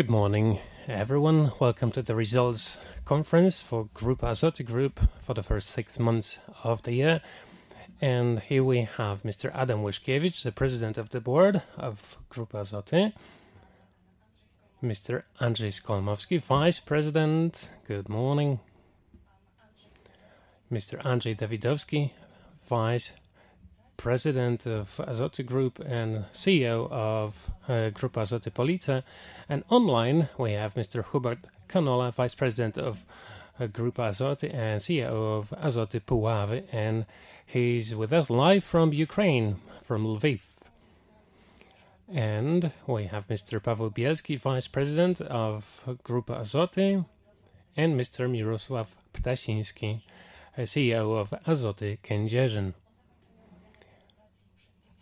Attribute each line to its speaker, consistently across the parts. Speaker 1: Good morning, everyone. Welcome to the results conference for Grupa Azoty Group for the first six months of the year, and here we have Mr. Adam Leszkiewicz, the President of the Board of Grupa Azoty. Mr. Andrzej Skolmowski, Vice President. Good morning. Mr. Andrzej Dawidowski, Vice President of Azoty Group and CEO of Grupa Azoty Police, and online, we have Mr. Hubert Kamola, Vice President of Grupa Azoty and CEO of Azoty Puławy, and he's with us live from Ukraine, from Lviv, and we have Mr. Paweł Bielski, Vice President of Grupa Azoty, and Mr. Mirosław Ptasiński, CEO of Azoty Kędzierzyn.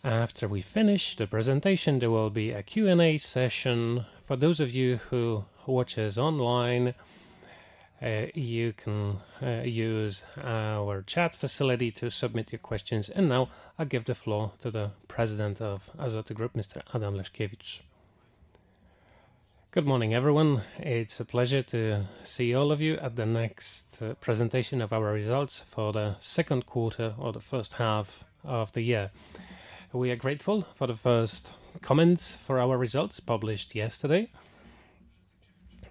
Speaker 1: After we finish the presentation, there will be a Q&A session. For those of you who watch us online, you can use our chat facility to submit your questions, and now, I give the floor to the President of Azoty Group, Mr. Adam Leszkiewicz.
Speaker 2: Good morning, everyone. It's a pleasure to see all of you at the next presentation of our results for the second quarter or the first half of the year. We are grateful for the first comments for our results published yesterday,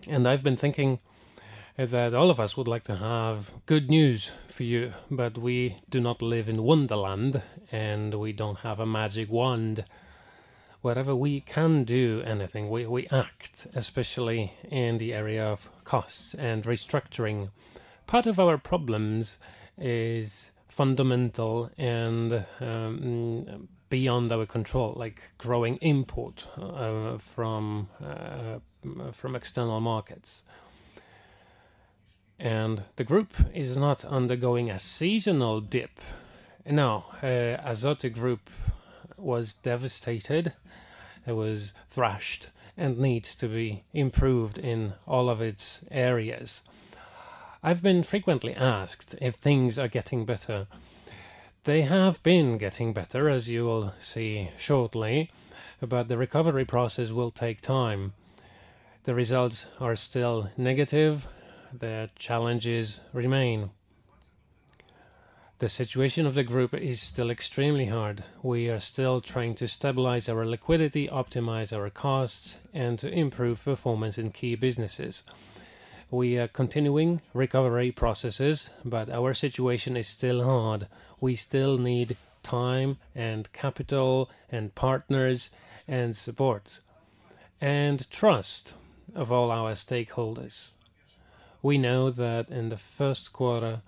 Speaker 2: and I've been thinking that all of us would like to have good news for you, but we do not live in Wonderland, and we don't have a magic wand. Wherever we can do anything, we act, especially in the area of costs and restructuring. Part of our problems is fundamental and beyond our control, like growing import from external markets. And the group is not undergoing a seasonal dip. No, Azoty Group was devastated. It was thrashed and needs to be improved in all of its areas. I've been frequently asked if things are getting better. They have been getting better, as you will see shortly, but the recovery process will take time. The results are still negative. The challenges remain. The situation of the group is still extremely hard. We are still trying to stabilize our liquidity, optimize our costs, and to improve performance in key businesses. We are continuing recovery processes, but our situation is still hard. We still need time, and capital, and partners, and support, and trust of all our stakeholders. We know that in the first quarter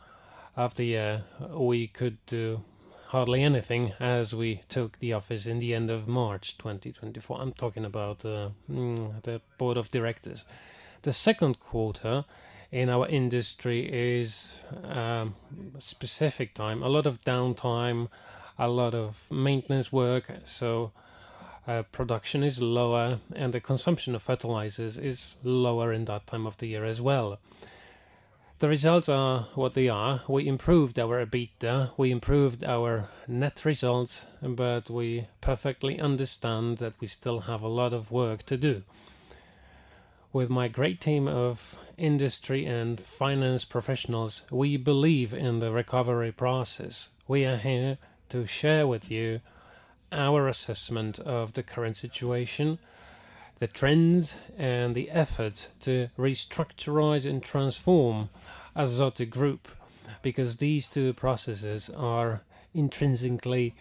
Speaker 2: of the year, we could do hardly anything as we took the office in the end of March2024. I'm talking about the board of directors. The second quarter in our industry is a specific time, a lot of downtime, a lot of maintenance work, so production is lower, and the consumption of fertilizers is lower in that time of the year as well. The results are what they are. We improved our EBITDA, we improved our net results, but we perfectly understand that we still have a lot of work to do. With my great team of industry and finance professionals, we believe in the recovery process. We are here to share with you our assessment of the current situation, the trends, and the efforts to restart, restructure, and transform Grupa Azoty, because these two processes are intrinsically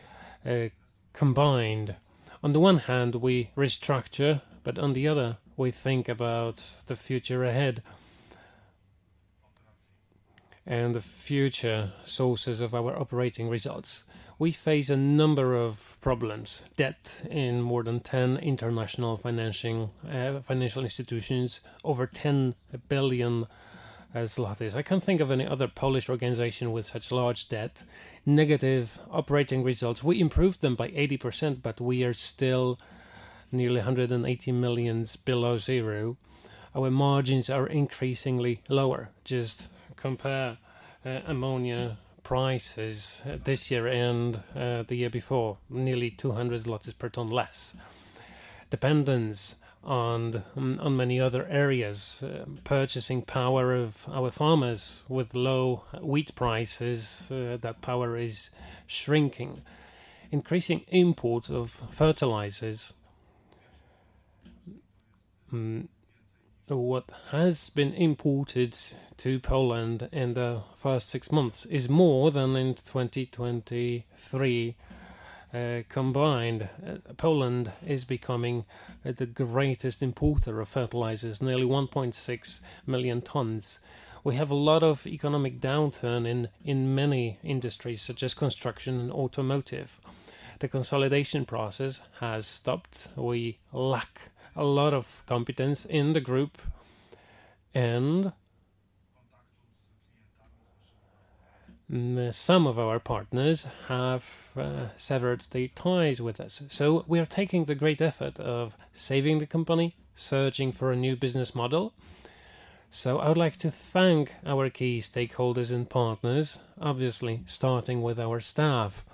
Speaker 2: combined. On the one hand, we restructure, but on the other, we think about the future ahead and the future sources of our operating results. We face a number of problems, debt in more than 10 international financing, financial institutions, over 10 billion zlotys. I can't think of any other Polish organization with such large debt. Negative operating results, we improved them by 80%, but we are still nearly 180 million below zero. Our margins are increasingly lower. Just compare, ammonia prices this year and, the year before, nearly 200 zlotys per tonne less. Dependence on, on many other areas, purchasing power of our farmers with low wheat prices, that power is shrinking. Increasing import of fertilizers. What has been imported to Poland in the first six months is more than in 2023 combined. Poland is becoming the greatest importer of fertilizers, nearly 1.6 million tons. We have a lot of economic downturn in many industries, such as construction and automotive. The consolidation process has stopped. We lack a lot of competence in the group, and some of our partners have severed their ties with us. So we are taking the great effort of saving the company, searching for a new business model. So I would like to thank our key stakeholders and partners, obviously, starting with our staff.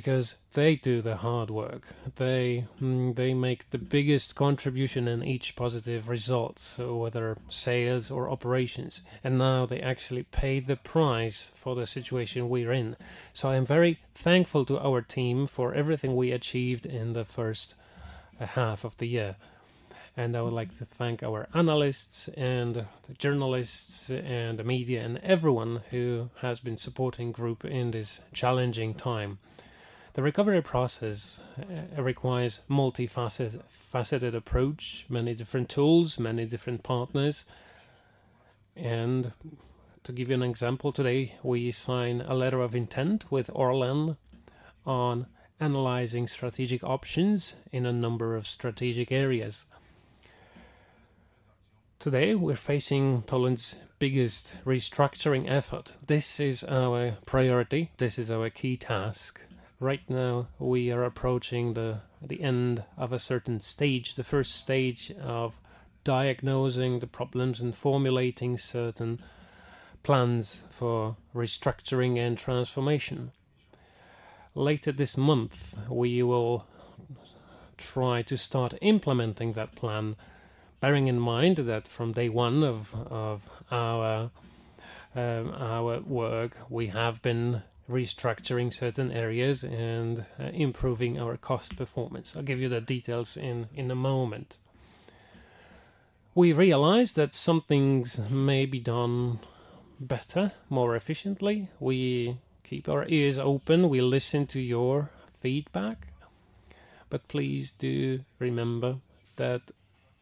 Speaker 2: Because they do the hard work. They make the biggest contribution in each positive result, so whether sales or operations, and now they actually pay the price for the situation we're in. So I'm very thankful to our team for everything we achieved in the first half of the year. I would like to thank our analysts and the journalists and the media, and everyone who has been supporting Group in this challenging time. The recovery process requires multifaceted, faceted approach, many different tools, many different partners. To give you an example, today, we sign a letter of intent with Orlen on analyzing strategic options in a number of strategic areas. Today, we're facing Poland's biggest restructuring effort. This is our priority. This is our key task. Right now, we are approaching the end of a certain stage, the first stage of diagnosing the problems and formulating certain plans for restructuring and transformation. Later this month, we will try to start implementing that plan, bearing in mind that from day one of our work, we have been restructuring certain areas and improving our cost performance. I'll give you the details in a moment. We realized that some things may be done better, more efficiently. We keep our ears open, we listen to your feedback, but please do remember that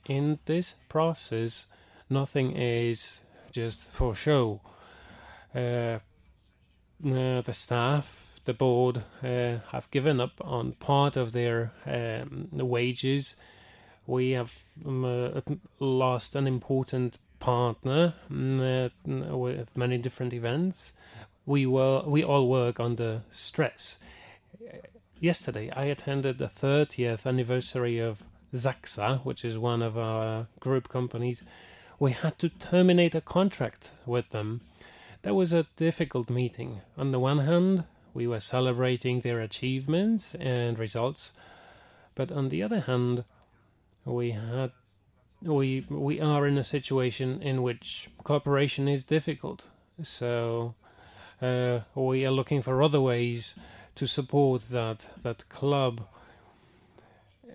Speaker 2: in this process, nothing is just for show. The staff, the board, have given up on part of their wages. We have lost an important partner with many different events. We all work under stress. Yesterday, I attended the 30th anniversary of ZAKSA, which is one of our group companies. We had to terminate a contract with them. That was a difficult meeting. On the one hand, we were celebrating their achievements and results, but on the other hand, we had... We are in a situation in which cooperation is difficult, so we are looking for other ways to support that club,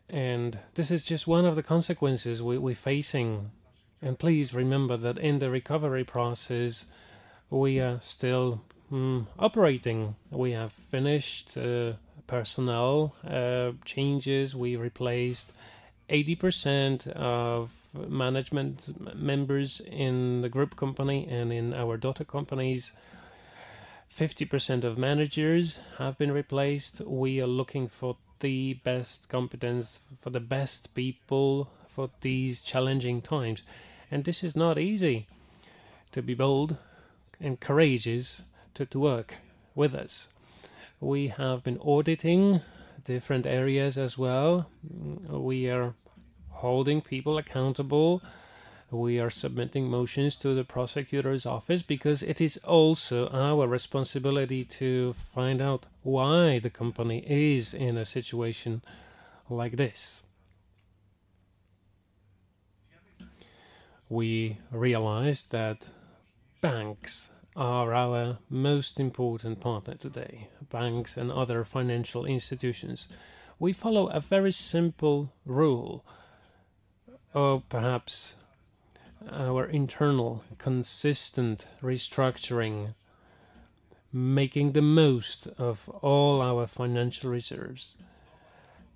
Speaker 2: and this is just one of the consequences we're facing. Please remember that in the recovery process, we are still operating. We have finished personnel changes. We replaced 80% of management members in the group company and in our daughter companies. 50% of managers have been replaced. We are looking for the best competence, for the best people for these challenging times, and this is not easy to be bold and courageous to work with us. We have been auditing different areas as well. We are holding people accountable. We are submitting motions to the prosecutor's office because it is also our responsibility to find out why the company is in a situation like this. We realized that banks are our most important partner today, banks and other financial institutions. We follow a very simple rule, or perhaps our internal, consistent restructuring, making the most of all our financial reserves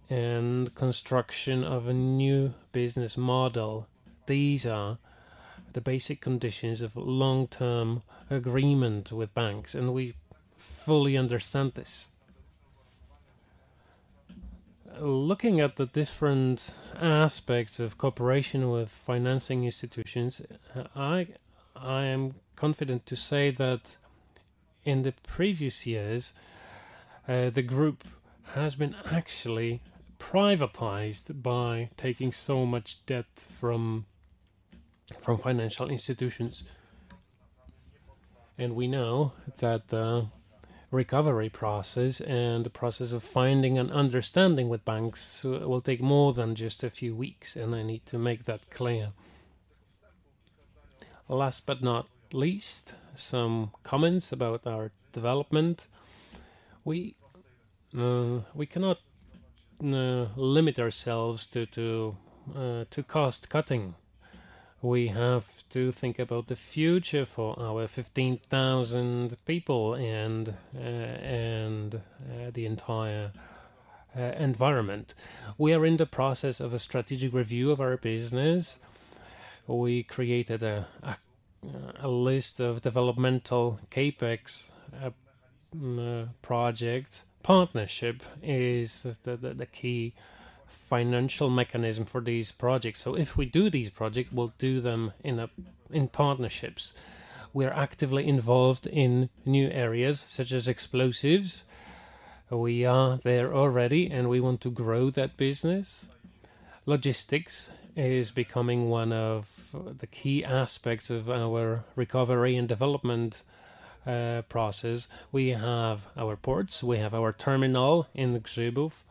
Speaker 2: and construction of a new business model. These are the basic conditions of long-term agreement with banks, and we fully understand this. Looking at the different aspects of cooperation with financing institutions, I am confident to say that in the previous years, the group has been actually privatized by taking so much debt from financial institutions. And we know that the recovery process and the process of finding and understanding with banks will take more than just a few weeks, and I need to make that clear. Last but not least, some comments about our development. We cannot limit ourselves to cost-cutting. We have to think about the future for our 15,000 people and, and, the entire, environment. We are in the process of a strategic review of our business. We created a list of developmental CapEx projects. Partnership is the key financial mechanism for these projects. So if we do these projects, we'll do them in partnerships. We are actively involved in new areas, such as explosives. We are there already, and we want to grow that business.... Logistics is becoming one of the key aspects of our recovery and development process. We have our ports, we have our terminal in Grzybów.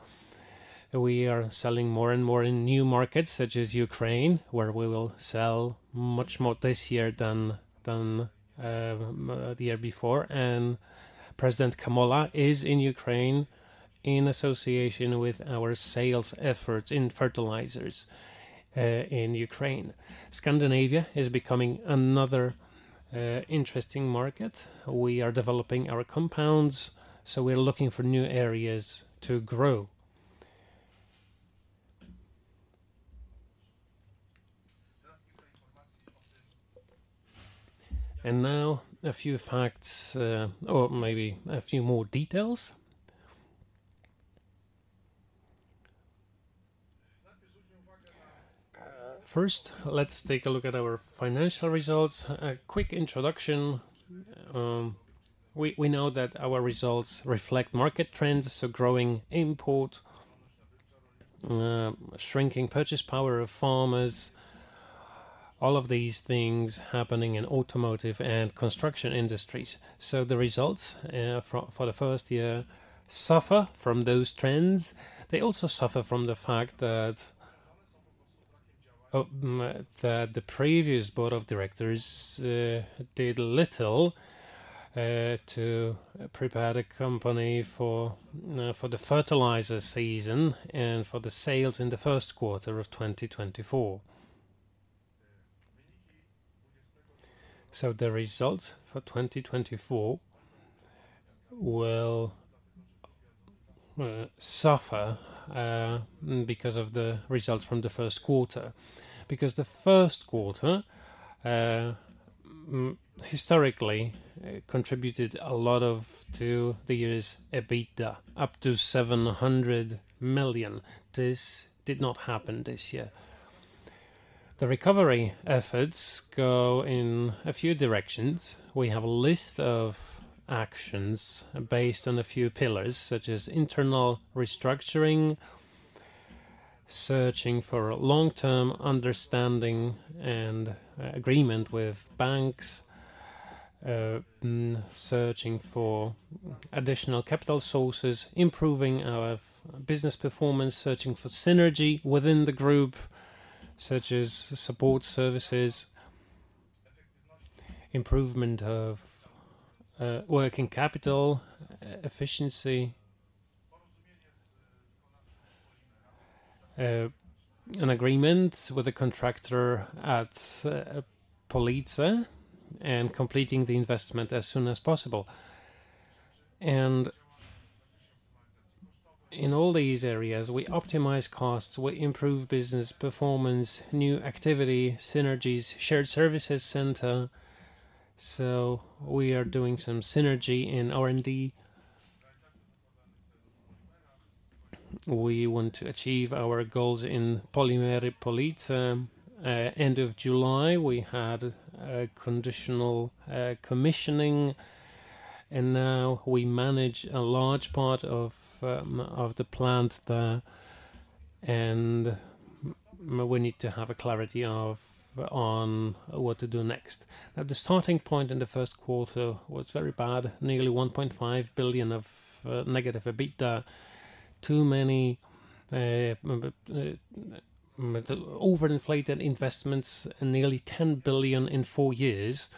Speaker 2: We are selling more and more in new markets, such as Ukraine, where we will sell much more this year than the year before. President Kamola is in Ukraine in association with our sales efforts in fertilizers in Ukraine. Scandinavia is becoming another interesting market. We are developing our compounds, so we're looking for new areas to grow. Now a few facts, or maybe a few more details. First, let's take a look at our financial results. A quick introduction, we know that our results reflect market trends, so growing import, shrinking purchase power of farmers, all of these things happening in automotive and construction industries. The results for the first year suffer from those trends. They also suffer from the fact that the previous board of directors did little to prepare the company for the fertilizer season and for the sales in the first quarter of2024. The results for 2024 will suffer because of the results from the first quarter. Because the first quarter historically contributed a lot to the year's EBITDA, up to 700 million. This did not happen this year. The recovery efforts go in a few directions. We have a list of actions based on a few pillars, such as internal restructuring, searching for long-term understanding and agreement with banks, searching for additional capital sources, improving our business performance, searching for synergy within the group, such as support services, improvement of working capital efficiency, an agreement with a contractor at Police and completing the investment as soon as possible. In all these areas, we optimize costs, we improve business performance, new activity, synergies, shared services center. We are doing some synergy in R&D. We want to achieve our goals in Polimery Police. End of July, we had a conditional commissioning, and now we manage a large part of the plant there, and we need to have a clarity of, on what to do next. Now, the starting point in the first quarter was very bad, nearly 1.5 billion of negative EBITDA. Too many overinflated investments, nearly 10 billion in four years.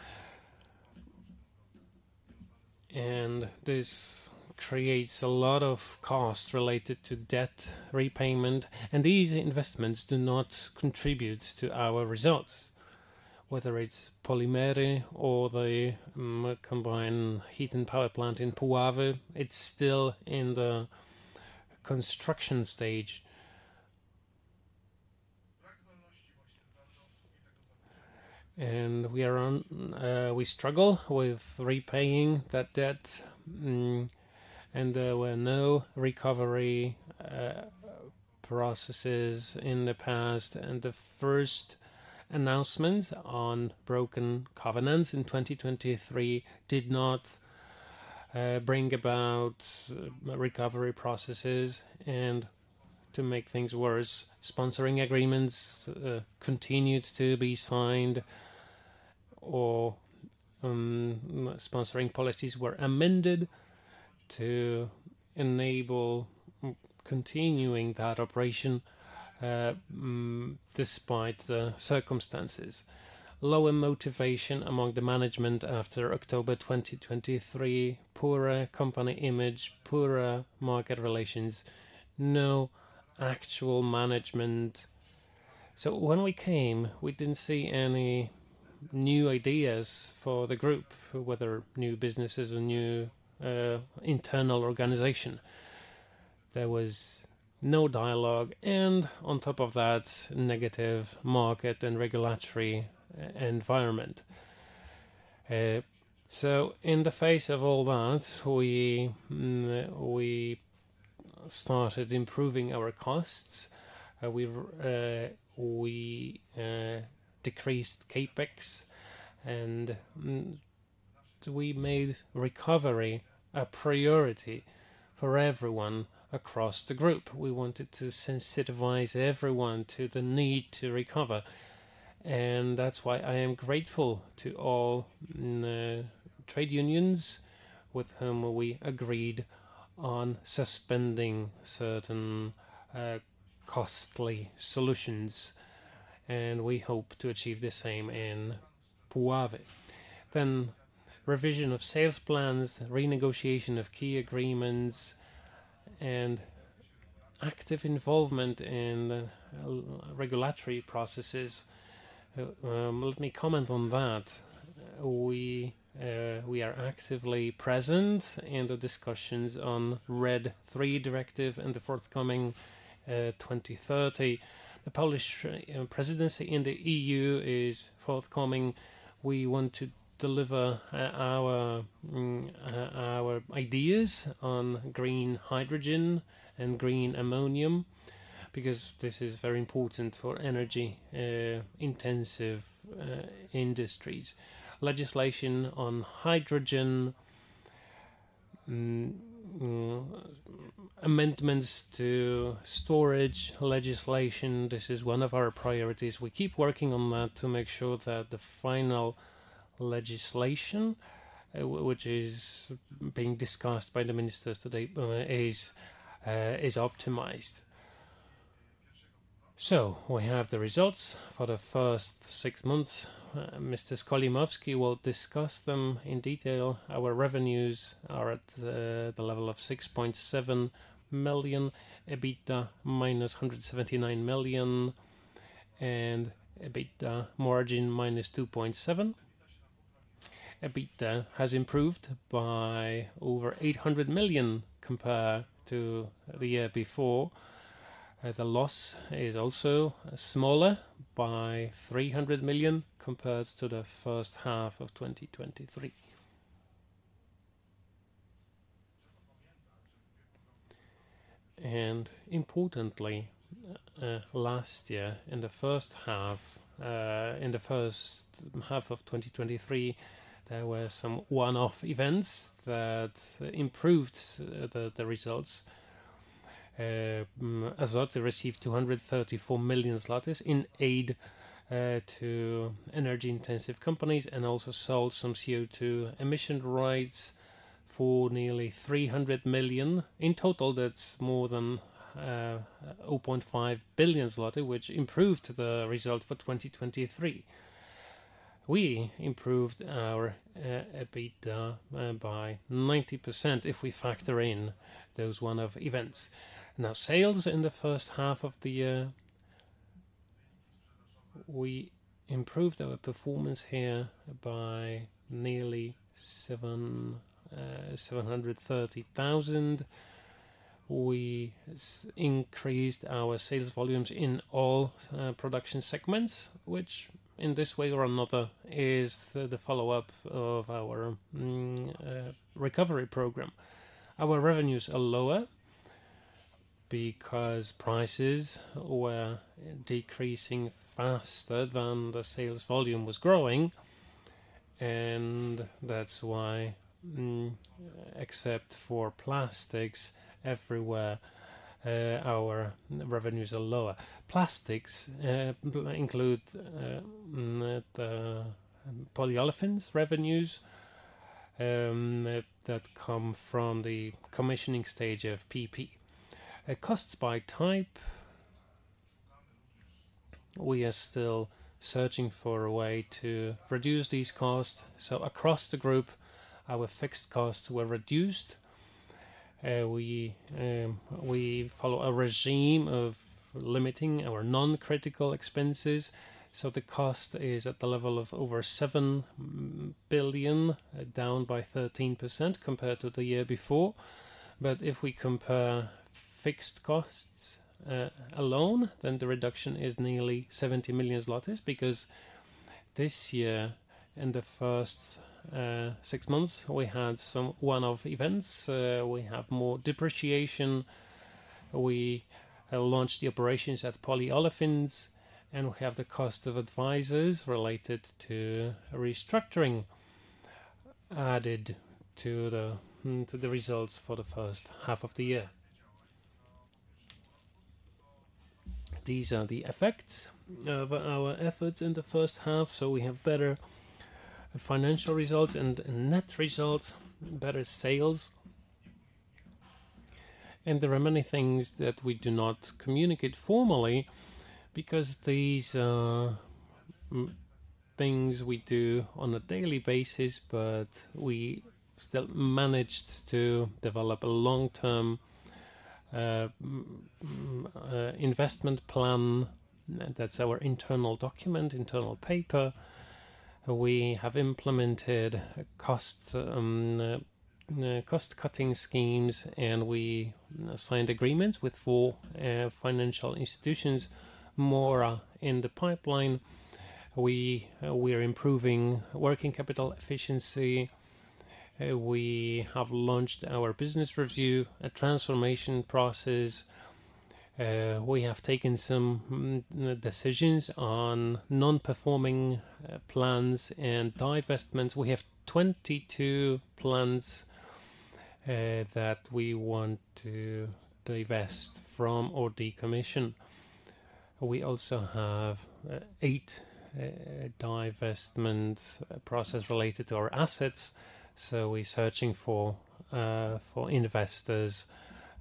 Speaker 2: This creates a lot of costs related to debt repayment, and these investments do not contribute to our results, whether it's Polimery or the combined heat and power plant in Puławy; it's still in the construction stage. We struggle with repaying that debt, and there were no recovery processes in the past. The first announcement on broken covenants in 2023 did not bring about recovery processes. To make things worse, sponsoring agreements continued to be signed or sponsoring policies were amended to enable continuing that operation despite the circumstances. Lower motivation among the management after October 2023, poorer company image, poorer market relations, no actual management. When we came, we didn't see any new ideas for the group, whether new businesses or new internal organization. There was no dialogue, and on top of that, negative market and regulatory environment. In the face of all that, we started improving our costs. We have decreased CapEx. We made recovery a priority for everyone across the group. We wanted to sensitize everyone to the need to recover, and that's why I am grateful to all, trade unions with whom we agreed on suspending certain, costly solutions, and we hope to achieve the same in Puławy. Then revision of sales plans, renegotiation of key agreements, and active involvement in, regulatory processes. Let me comment on that. We, we are actively present in the discussions on RED III directive and the forthcoming, 2030. The Polish, presidency in the EU is forthcoming. We want to deliver, our, our ideas on green hydrogen and green ammonia, because this is very important for energy, intensive, industries. Legislation on hydrogen, amendments to storage legislation, this is one of our priorities. We keep working on that to make sure that the final legislation, which is being discussed by the ministers today, is optimized. So we have the results for the first six months. Mr. Skolmowski will discuss them in detail. Our revenues are at the level of 6.7 billion, EBITDA -179 million, and EBITDA margin -2.7%. EBITDA has improved by over 800 million compared to the year before. The loss is also smaller by 300 million compared to the first half of 2023. And importantly, last year, in the first half of 2023, there were some one-off events that improved the results. Azoty received 234 million zlotys in aid to energy-intensive companies and also sold some CO₂ emission rights for nearly 300 million. In total, that's more than 0.5 billion zloty, which improved the result for 2023. We improved our EBITDA by 90% if we factor in those one-off events. Now, sales in the first half of the year, we improved our performance here by nearly 730,000. We increased our sales volumes in all production segments, which in this way or another is the follow-up of our recovery program. Our revenues are lower because prices were decreasing faster than the sales volume was growing, and that's why, except for plastics, everywhere our revenues are lower. Plastics include the Polyolefins revenues that come from the commissioning stage of PP. Costs by type, we are still searching for a way to reduce these costs, so across the group, our fixed costs were reduced. We follow a regime of limiting our non-critical expenses, so the cost is at the level of over 7 billion, down by 13% compared to the year before. But if we compare fixed costs alone, then the reduction is nearly 70 million zlotys, because this year, in the first six months, we had some one-off events. We have more depreciation. We launched the operations at Polyolefins, and we have the cost of advisors related to restructuring added to the results for the first half of the year. These are the effects of our efforts in the first half, so we have better financial results and net results, better sales. And there are many things that we do not communicate formally, because these are things we do on a daily basis, but we still managed to develop a long-term investment plan. That's our internal document, internal paper. We have implemented cost-cutting schemes, and we signed agreements with four financial institutions, more are in the pipeline. We are improving working capital efficiency. We have launched our business review, a transformation process. We have taken some decisions on non-performing plans and divestments. We have 22 plants that we want to divest from or decommission. We also have eight divestment process related to our assets, so we're searching for investors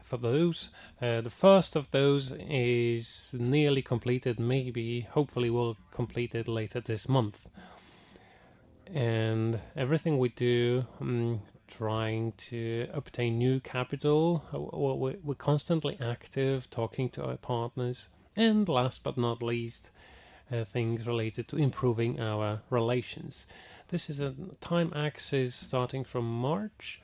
Speaker 2: for those. The first of those is nearly completed, maybe, hopefully, we'll complete it later this month, and everything we do, trying to obtain new capital, or we, we're constantly active, talking to our partners, and last but not least, things related to improving our relations. This is a time axis starting from March.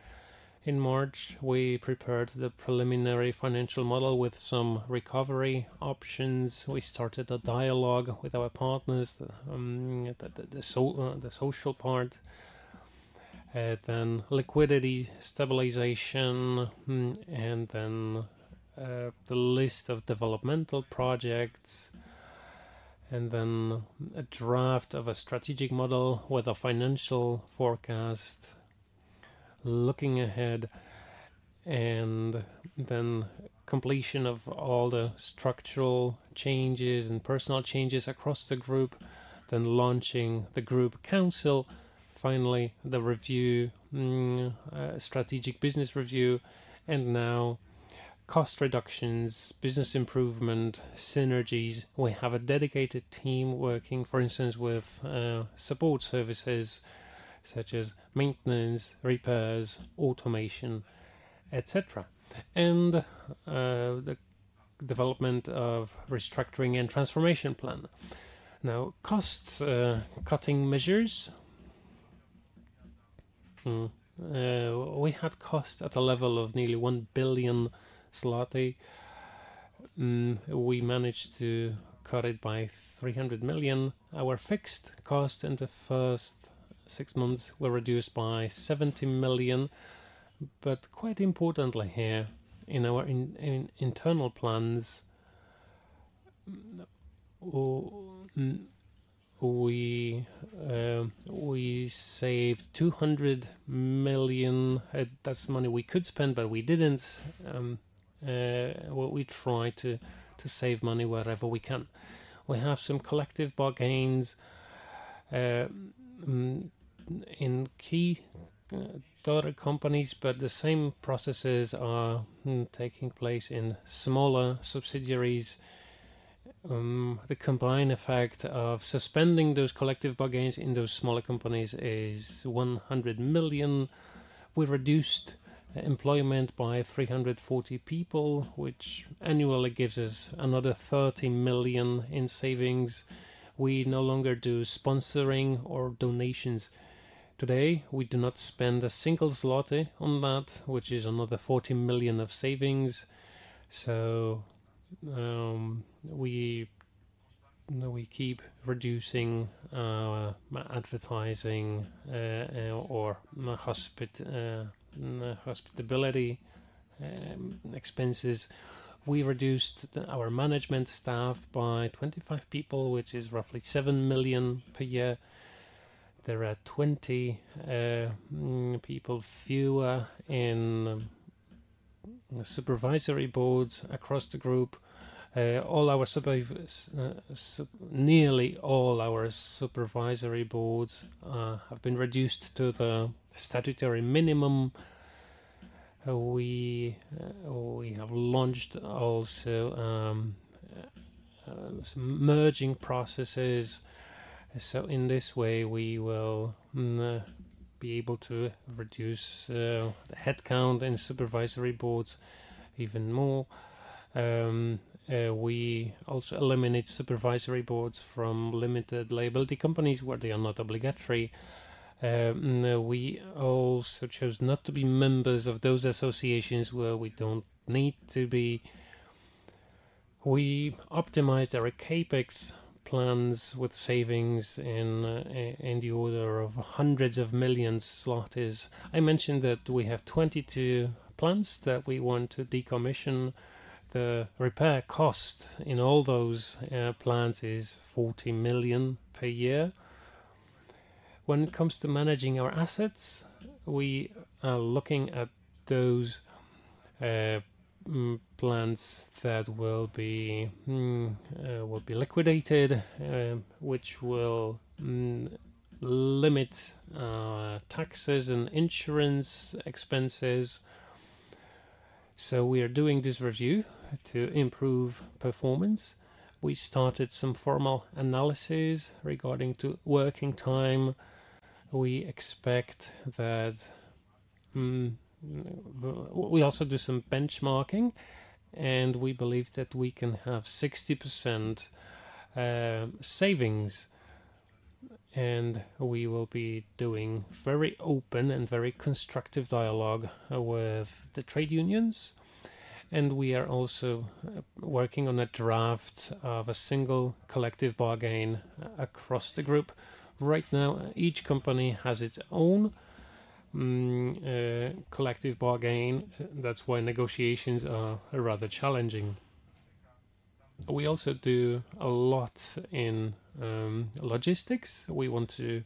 Speaker 2: In March, we prepared the preliminary financial model with some recovery options. We started a dialogue with our partners, the social part. Then liquidity stabilization, and then the list of developmental projects, and then a draft of a strategic model with a financial forecast. Looking ahead, and then completion of all the structural changes and personal changes across the group, then launching the group council. Finally, the review, strategic business review, and now cost reductions, business improvement, synergies. We have a dedicated team working, for instance, with support services such as maintenance, repairs, automation, et cetera, and the development of restructuring and transformation plan. Now, cost cutting measures. We had cost at a level of nearly 1 billion zloty. We managed to cut it by 300 million. Our fixed cost in the first six months were reduced by 70 million. But quite importantly here, in our internal plans, we saved 200 million. That's money we could spend, but we didn't. Well, we try to save money wherever we can. We have some collective bargaining in key daughter companies, but the same processes are taking place in smaller subsidiaries. The combined effect of suspending those collective bargaining in those smaller companies is 100 million. We've reduced employment by 340 people, which annually gives us another 30 million in savings. We no longer do sponsoring or donations. Today, we do not spend a single zloty on that, which is another 40 million of savings. So, we keep reducing our advertising or hospitality expenses. We reduced our management staff by 25 people, which is roughly 7 million per year. There are 20 people fewer in supervisory boards across the group. Nearly all our supervisory boards have been reduced to the statutory minimum. We have launched also some merging processes, so in this way, we will be able to reduce the headcount and supervisory boards even more. We also eliminate supervisory boards from limited liability companies where they are not obligatory. We also chose not to be members of those associations where we don't need to be. We optimized our CapEx plans with savings in the order of hundreds of millions PLN. I mentioned that we have 22 plants that we want to decommission. The repair cost in all those plants is 40 million per year. When it comes to managing our assets, we are looking at those plants that will be liquidated, which will limit taxes and insurance expenses. So we are doing this review to improve performance. We started some formal analysis regarding to working time. We expect that... We also do some benchmarking, and we believe that we can have 60% savings, and we will be doing very open and very constructive dialogue with the trade unions. And we are also working on a draft of a single collective bargain across the group. Right now, each company has its own collective bargain. That's why negotiations are rather challenging. We also do a lot in logistics. We want to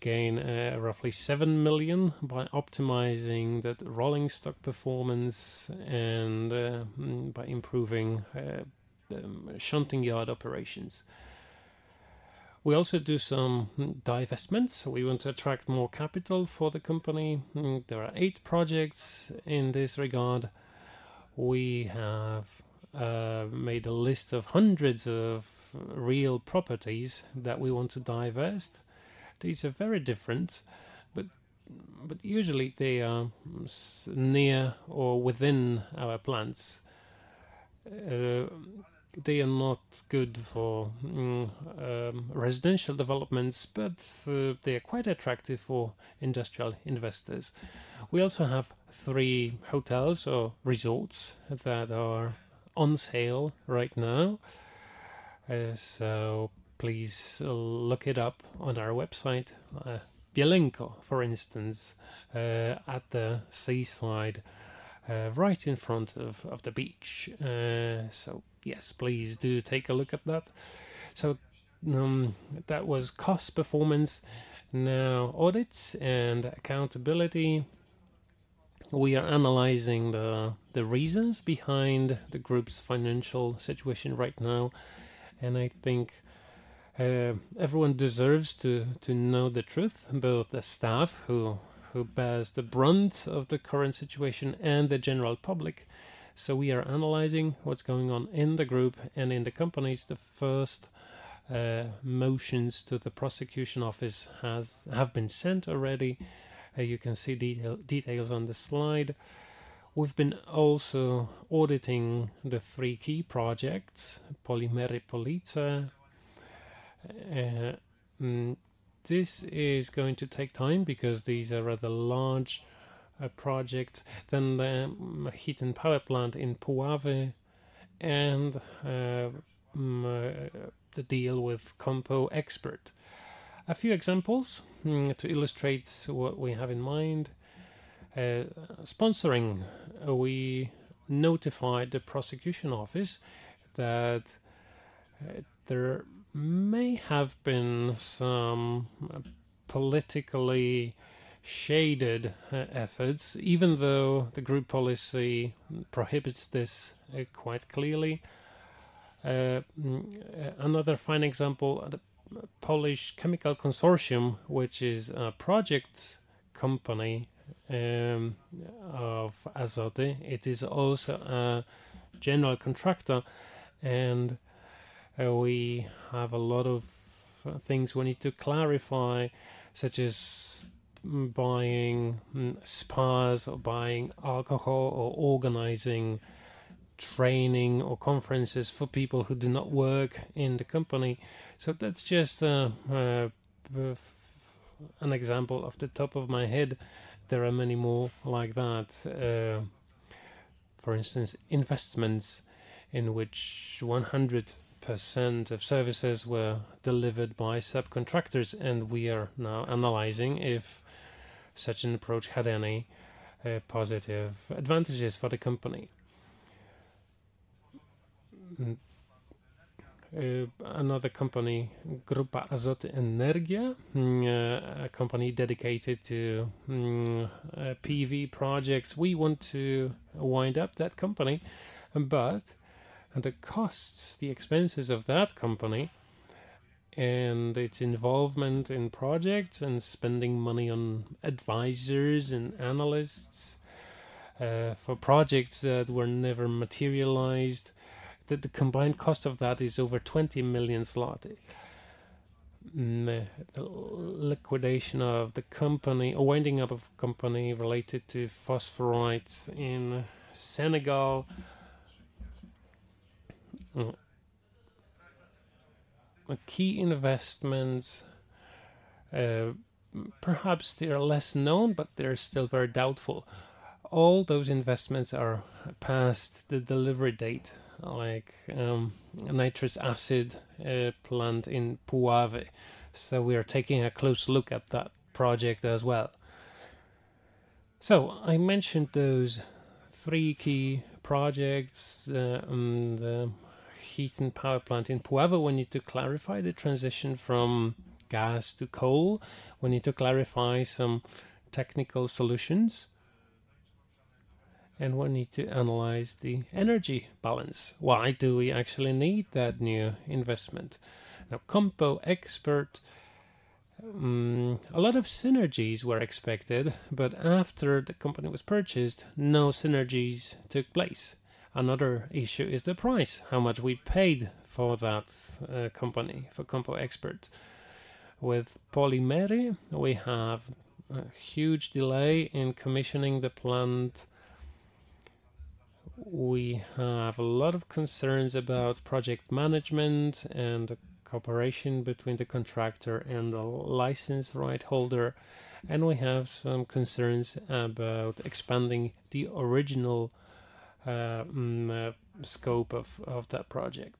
Speaker 2: gain roughly 7 million by optimizing the rolling stock performance and by improving the shunting yard operations. We also do some divestments. We want to attract more capital for the company. There are eight projects in this regard. We have made a list of hundreds of real properties that we want to divest. These are very different, but usually they are near or within our plants. They are not good for residential developments, but they are quite attractive for industrial investors. We also have three hotels or resorts that are on sale right now. So please look it up on our website. Bielik, for instance, at the seaside, right in front of the beach. So yes, please do take a look at that. That was cost performance. Now, audits and accountability. We are analyzing the reasons behind the group's financial situation right now, and I think everyone deserves to know the truth, both the staff who bears the brunt of the current situation and the general public. So we are analyzing what's going on in the group and in the companies. The first motions to the prosecution office have been sent already. You can see the details on the slide. We've been also auditing the three key projects, Polimery Police. This is going to take time because these are rather large projects. Then the heat and power plant in Puławy and the deal with Compo Expert. A few examples to illustrate what we have in mind. Sponsoring, we notified the prosecution office that there may have been some politically shaded efforts, even though the group policy prohibits this quite clearly. Another fine example, the Polish Chemical Consortium, which is a project company of Azoty. It is also a general contractor, and we have a lot of things we need to clarify, such as buying spas or buying alcohol, or organizing training or conferences for people who do not work in the company. So that's just an example off the top of my head. There are many more like that. For instance, investments in which 100% of services were delivered by subcontractors, and we are now analyzing if such an approach had any positive advantages for the company. Another company, Grupa Azoty Energia, a company dedicated to PV projects. We want to wind up that company, but the costs, the expenses of that company and its involvement in projects and spending money on advisors and analysts for projects that were never materialized, the combined cost of that is over 20 million zloty. Liquidation of the company, a winding up of company related to phosphorites in Senegal. Key investments, perhaps they are less known, but they're still very doubtful. All those investments are past the delivery date, like, nitric acid plant in Puławy. So we are taking a close look at that project as well. So I mentioned those three key projects, the heat and power plant in Puławy. We need to clarify the transition from gas to coal. We need to clarify some technical solutions, and we need to analyze the energy balance. Why do we actually need that new investment? Now, Compo Expert, a lot of synergies were expected, but after the company was purchased, no synergies took place. Another issue is the price, how much we paid for that company, for Compo Expert. With Polimery, we have a huge delay in commissioning the plant. We have a lot of concerns about project management and the cooperation between the contractor and the license right holder, and we have some concerns about expanding the original scope of that project.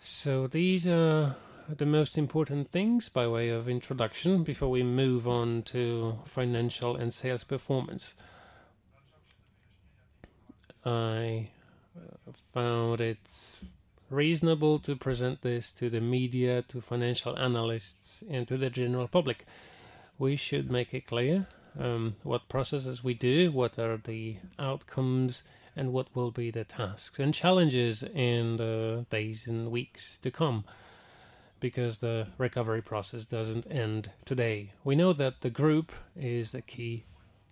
Speaker 2: So these are the most important things by way of introduction before we move on to financial and sales performance. I found it reasonable to present this to the media, to financial analysts, and to the general public. We should make it clear what processes we do, what are the outcomes, and what will be the tasks and challenges in the days and weeks to come, because the recovery process doesn't end today. We know that the group is the key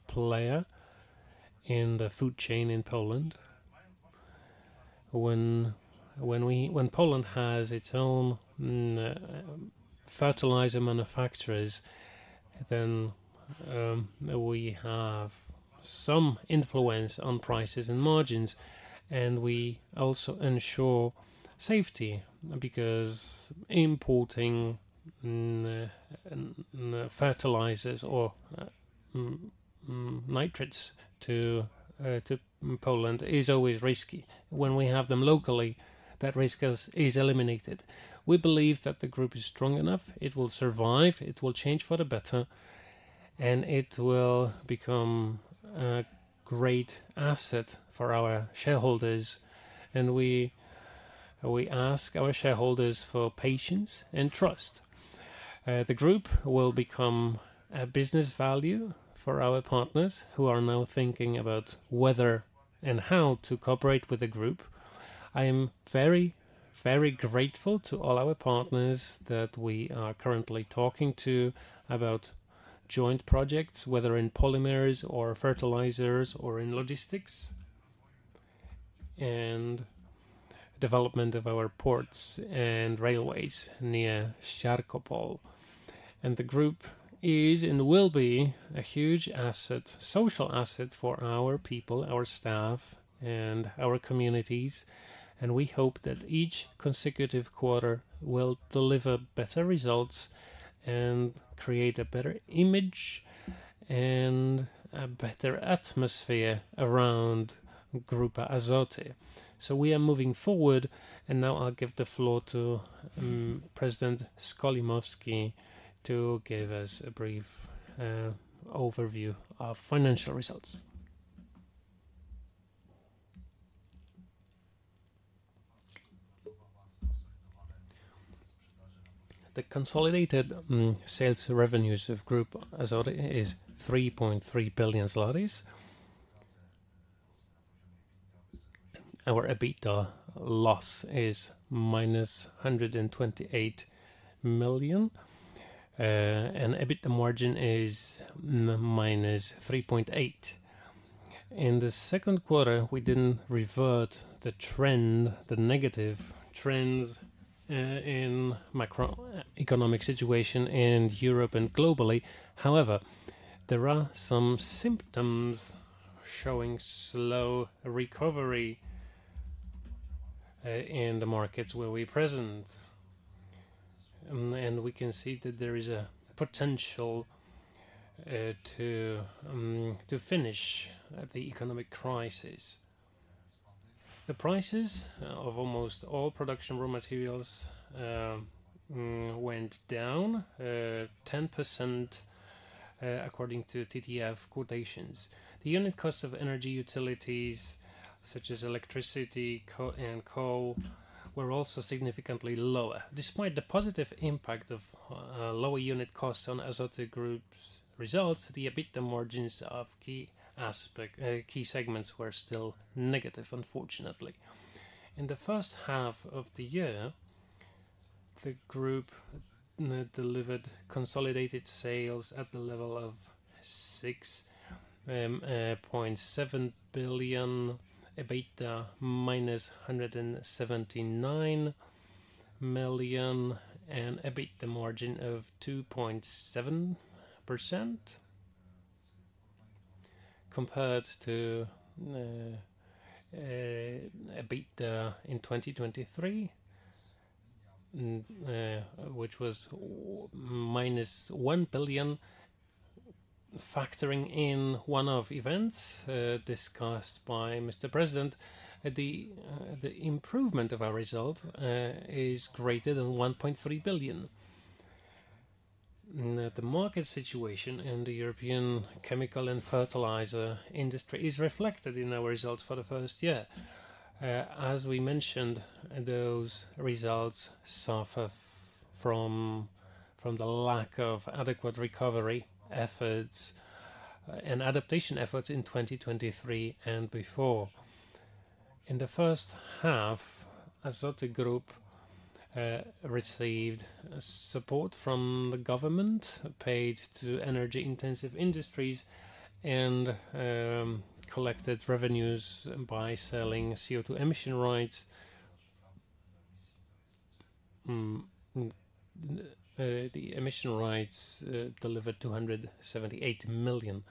Speaker 2: player in the food chain in Poland. When Poland has its own fertilizer manufacturers, then we have some influence on prices and margins, and we also ensure safety, because importing fertilizers or nitrates to Poland is always risky. When we have them locally, that risk is eliminated. We believe that the group is strong enough, it will survive, it will change for the better, and it will become a great asset for our shareholders, and we ask our shareholders for patience and trust. The group will become a business value for our partners who are now thinking about whether and how to cooperate with the group. I am very, very grateful to all our partners that we are currently talking to about joint projects, whether in polymers or fertilizers or in logistics, and development of our ports and railways near Szczecin Police. The group is and will be a huge asset, social asset for our people, our staff, and our communities, and we hope that each consecutive quarter will deliver better results and create a better image and a better atmosphere around Grupa Azoty. We are moving forward, and now I'll give the floor to President Skolmowski to give us a brief overview of financial results.
Speaker 3: The consolidated sales revenues of Grupa Azoty is 3.3 billion zlotys. Our EBITDA loss is -128 million, and EBITDA margin is -3.8%. In the second quarter, we didn't revert the trend, the negative trends, in macroeconomic situation in Europe and globally. However, there are some symptoms showing slow recovery in the markets where we're present, and we can see that there is a potential to finish the economic crisis. The prices of almost all production raw materials went down 10% according to TTF quotations. The unit cost of energy utilities, such as electricity and coal, were also significantly lower. Despite the positive impact of lower unit costs on Azoty Group's results, the EBITDA margins of key aspect, key segments were still negative, unfortunately. In the first half of the year, the group delivered consolidated sales at the level of 6.7 billion, EBITDA -179 million, and EBITDA margin of 2.7%, compared to EBITDA in 2023, which was -1 billion. Factoring in one-off events discussed by Mr. President, the improvement of our result is greater than 1.3 billion. The market situation in the European chemical and fertilizer industry is reflected in our results for the first year. As we mentioned, those results suffer from the lack of adequate recovery efforts and adaptation efforts in 2023 and before. In the first half, Azoty Group received support from the government paid to energy-intensive industries and collected revenues by selling CO2 emission rights. The emission rights delivered 278 million.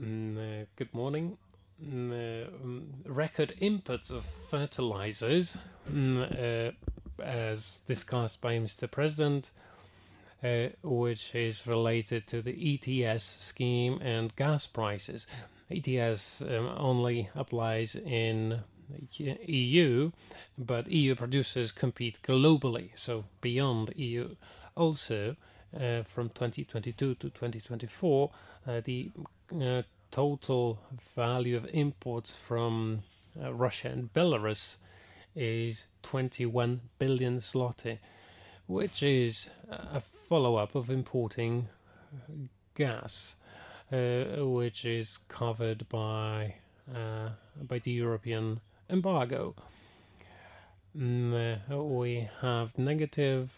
Speaker 4: Good morning. Record imports of fertilizers, as discussed by Mr. President, which is related to the ETS scheme and gas prices. ETS only applies in EU, but EU producers compete globally, so beyond EU. Also, from 2022 to 2024, the total value of imports from Russia and Belarus is 21 billion zloty, which is a follow-up of importing gas, which is covered by the European embargo. We have negative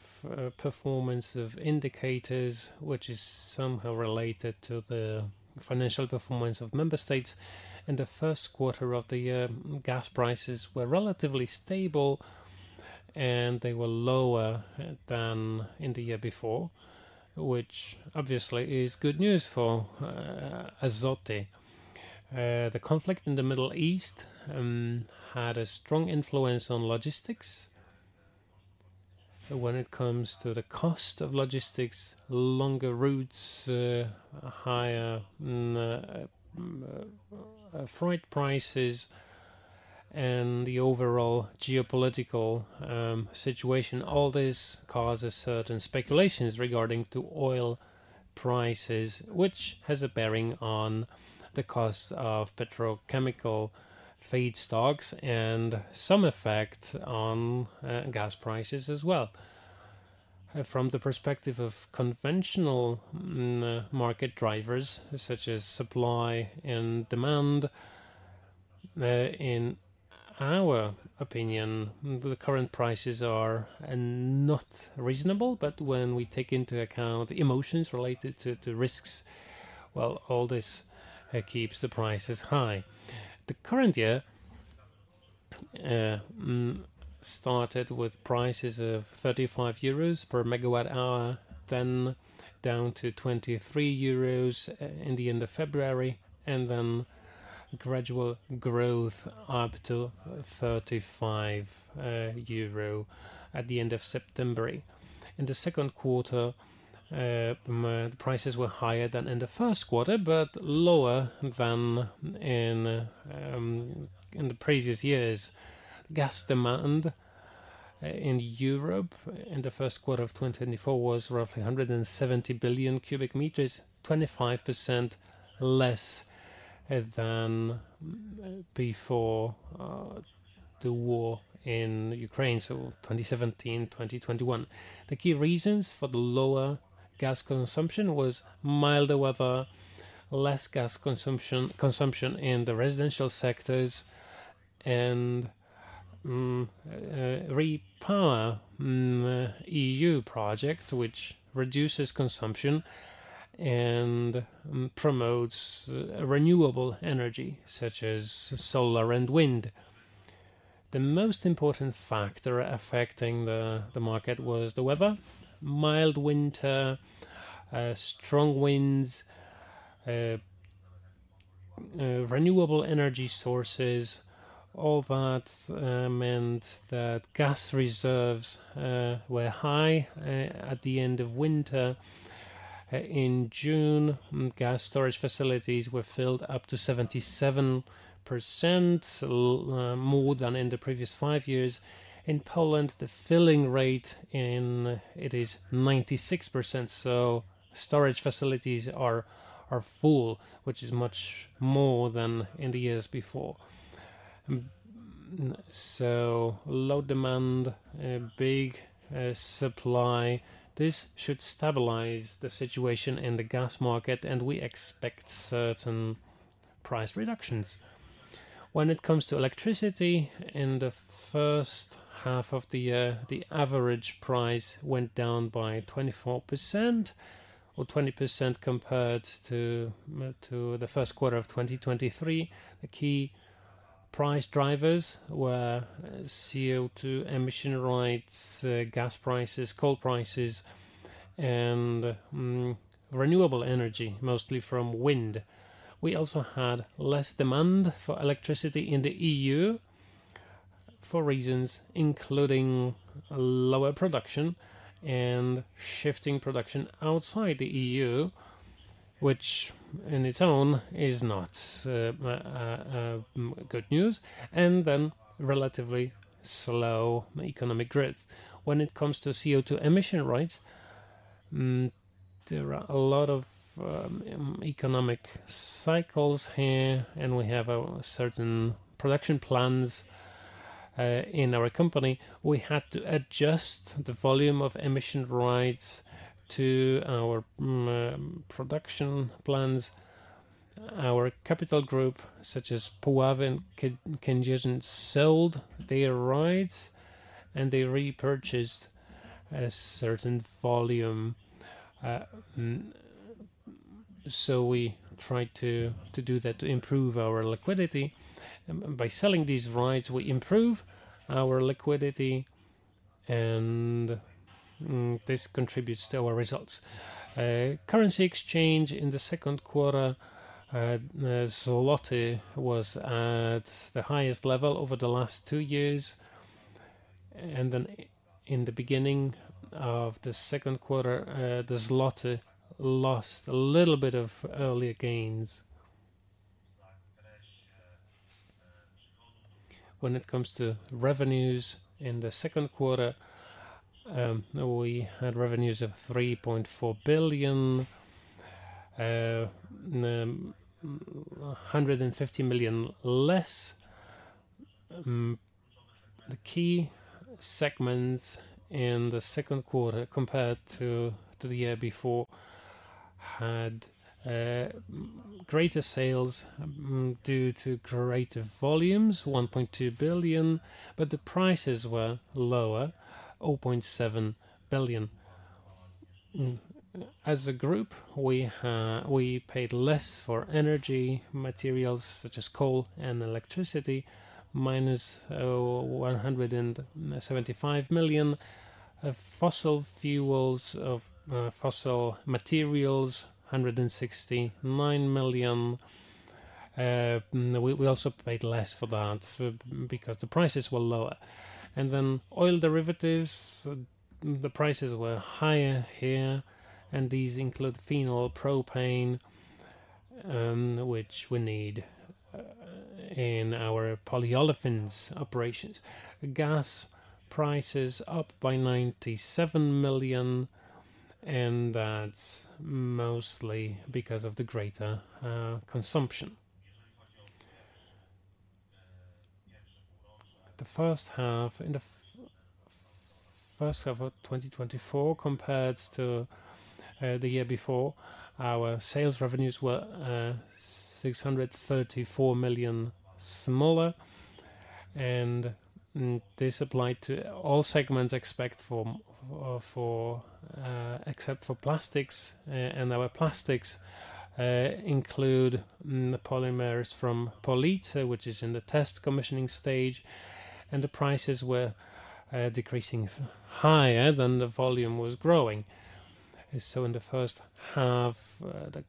Speaker 4: performance of indicators, which is somehow related to the financial performance of member states. In the first quarter of the year, gas prices were relatively stable, and they were lower than in the year before, which obviously is good news for Azoty. The conflict in the Middle East had a strong influence on logistics. When it comes to the cost of logistics, longer routes, higher freight prices and the overall geopolitical situation, all this causes certain speculations regarding to oil prices, which has a bearing on the cost of petrochemical feedstocks and some effect on gas prices as well. From the perspective of conventional market drivers, such as supply and demand, in our opinion, the current prices are not reasonable, but when we take into account the emotions related to risks, well, all this keeps the prices high. The current year started with prices of 35 euros/MWh, then down to 23 euros in the end of February, and then gradual growth up to 35 euro at the end of September. In the second quarter, prices were higher than in the first quarter, but lower than in the previous years. Gas demand in Europe in the first quarter of 2024 was roughly 170 billion cu m, 25% less than before the war in Ukraine, so 2017-2021. The key reasons for the lower gas consumption was milder weather, less gas consumption in the residential sectors, and REPowerEU project, which reduces consumption and promotes renewable energy, such as solar and wind. The most important factor affecting the market was the weather: mild winter, strong winds, renewable energy sources. All that meant that gas reserves were high at the end of winter. In June, gas storage facilities were filled up to 77%, more than in the previous five years. In Poland, the filling rate in… it is 96%, so storage facilities are full, which is much more than in the years before. So low demand, big supply, this should stabilize the situation in the gas market, and we expect certain price reductions. When it comes to electricity, in the first half of the year, the average price went down by 24% or 20% compared to the first quarter of 2023. The key price drivers were CO2 emission rights, gas prices, coal prices, and renewable energy, mostly from wind. We also had less demand for electricity in the EU, for reasons including lower production and shifting production outside the EU, which in its own is not good news, and then relatively slow economic growth. When it comes to CO2 emission rights, there are a lot of economic cycles here, and we have certain production plans. In our company, we had to adjust the volume of emission rights to our production plans. Our capital group, such as Puławy Chemical, sold their rights, and they repurchased a certain volume. So we tried to do that to improve our liquidity. By selling these rights, we improve our liquidity. This contributes to our results. Currency exchange in the second quarter, the zloty was at the highest level over the last two years, and then in the beginning of the second quarter, the zloty lost a little bit of earlier gains. When it comes to revenues in the second quarter, we had revenues of 3.4 billion, 150 million less. The key segments in the second quarter, compared to the year before, had greater sales due to greater volumes, 1.2 billion, but the prices were lower, 0.7 billion. As a group, we paid less for energy materials, such as coal and electricity, -175 million. Fossil fuels, fossil materials, 169 million. We also paid less for that because the prices were lower. And then oil derivatives, the prices were higher here, and these include phenol, propane, which we need in our Polyolefins operations. Gas prices up by 97 million, and that's mostly because of the greater consumption. In the first half of 2024, compared to the year before, our sales revenues were 634 million smaller, and this applied to all segments except for plastics. And our plastics include the polymers from Police, which is in the test commissioning stage, and the prices were decreasing higher than the volume was growing. So in the first half, the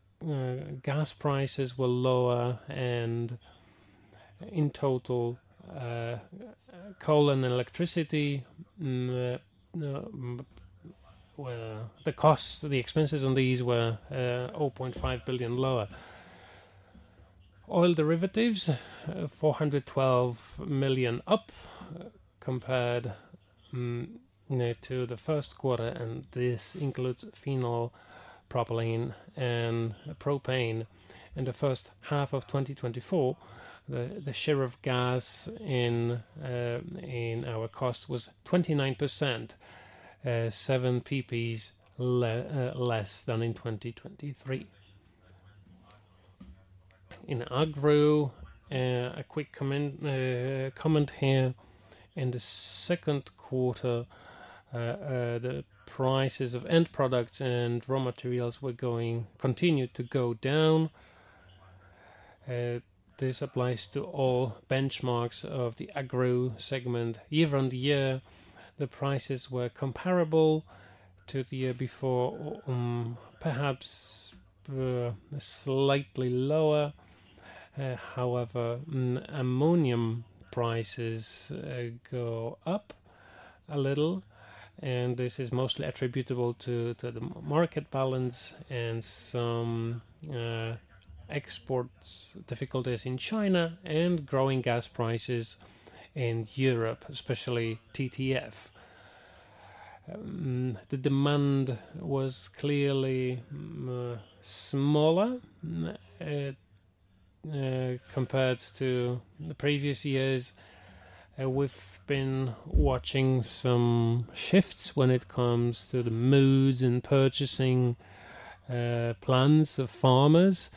Speaker 4: gas prices were lower, and in total, coal and electricity were lower. The costs, the expenses on these were 0.5 billion lower. Oil derivatives, 412 million up, compared to the first quarter, and this includes phenol, propylene, and propane. In the first half of 2024, the share of gas in our cost was 29%, 7 percentage points less than in 2023. In agro, a quick comment here. In the second quarter, the prices of end products and raw materials continued to go down. This applies to all benchmarks of the Agro segment. Year on year, the prices were comparable to the year before, perhaps slightly lower. However, ammonia prices go up a little, and this is mostly attributable to the market balance and some export difficulties in China and growing gas prices in Europe, especially TTF. The demand was clearly smaller compared to the previous years. We've been watching some shifts when it comes to the moods and purchasing plans of farmers.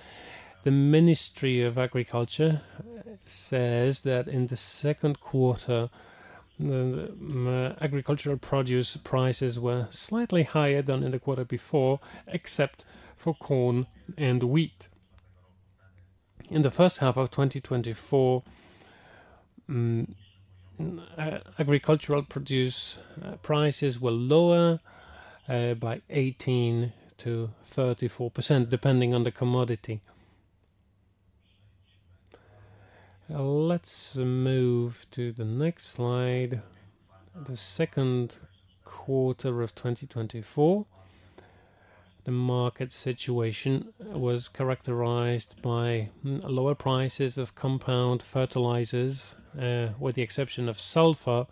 Speaker 4: The Ministry of Agriculture says that in the second quarter, the agricultural produce prices were slightly higher than in the quarter before, except for corn and wheat. In the first half of2024, agricultural produce prices were lower by 18%-34%, depending on the commodity. Let's move to the next slide. The second quarter of2024, the market situation was characterized by lower prices of compound fertilizers with the exception of sulfur.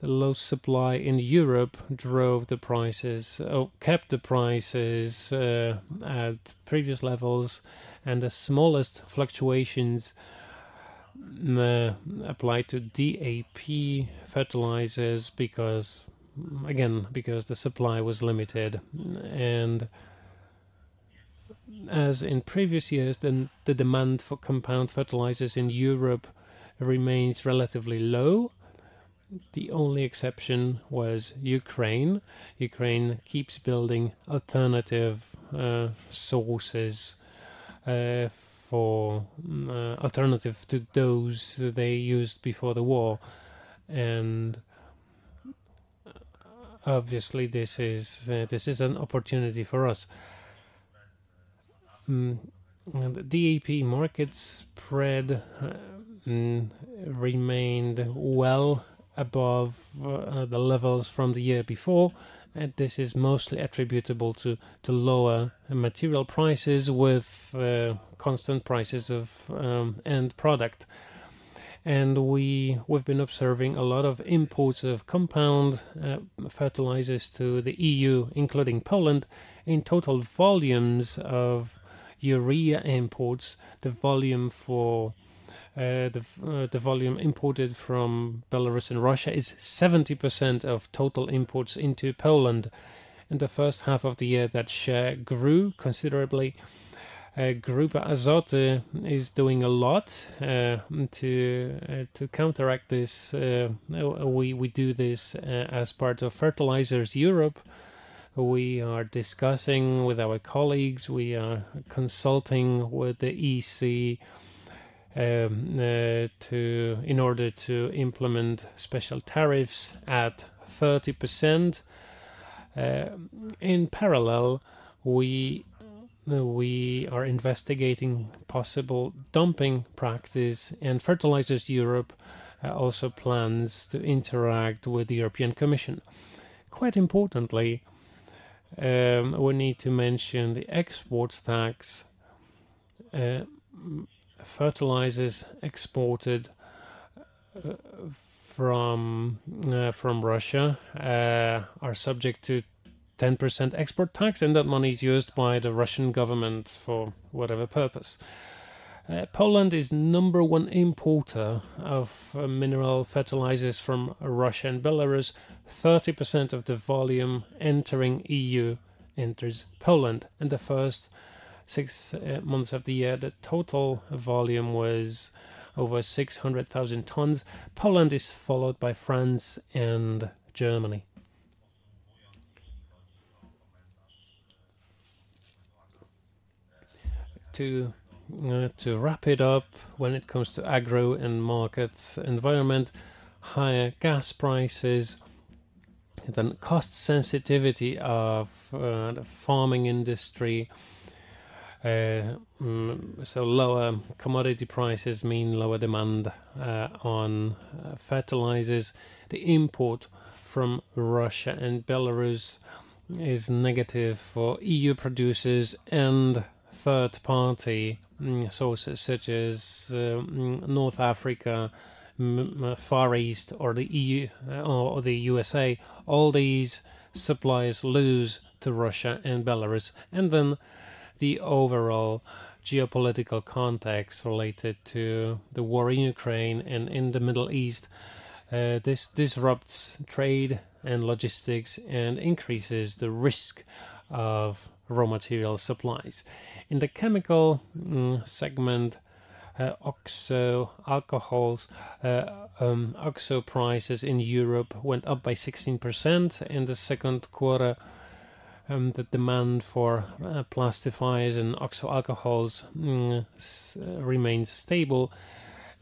Speaker 4: The low supply in Europe drove the prices, or kept the prices at previous levels, and the smallest fluctuations applied to DAP fertilizers, because again the supply was limited. And as in previous years, the demand for compound fertilizers in Europe remains relatively low. The only exception was Ukraine. Ukraine keeps building alternative sources for alternative to those they used before the war, and obviously, this is an opportunity for us. And the DAP market spread remained well above the levels from the year before, and this is mostly attributable to lower material prices with constant prices of end product. We've been observing a lot of imports of compound fertilizers to the EU, including Poland. In total volumes of urea imports, the volume imported from Belarus and Russia is 70% of total imports into Poland. In the first half of the year, that share grew considerably. Grupa Azoty is doing a lot to counteract this. We do this as part of Fertilizers Europe. We are discussing with our colleagues, we are consulting with the EC, in order to implement special tariffs at 30%. In parallel, we are investigating possible dumping practices, and Fertilizers Europe also plans to interact with the European Commission. Quite importantly, we need to mention the export tax. Fertilizers exported from Russia are subject to 10% export tax, and that money is used by the Russian government for whatever purpose. Poland is number one importer of mineral fertilizers from Russia and Belarus. 30% of the volume entering EU enters Poland. In the first six months of the year, the total volume was over 600,000 tonnes. Poland is followed by France and Germany. To wrap it up, when it comes to agro and market environment, higher gas prices, then cost sensitivity of the farming industry. So lower commodity prices mean lower demand on fertilizers. The import from Russia and Belarus is negative for EU producers and third-party sources, such as North Africa, Middle East, Far East, or the EU, or the U.S.A. All these suppliers lose to Russia and Belarus, and then the overall geopolitical context related to the war in Ukraine and in the Middle East. This disrupts trade and logistics and increases the risk of raw material supplies. In the Chemical segment, OXO alcohols, OXO prices in Europe went up by 16% in the second quarter, the demand for plastifiers and OXO alcohols remains stable,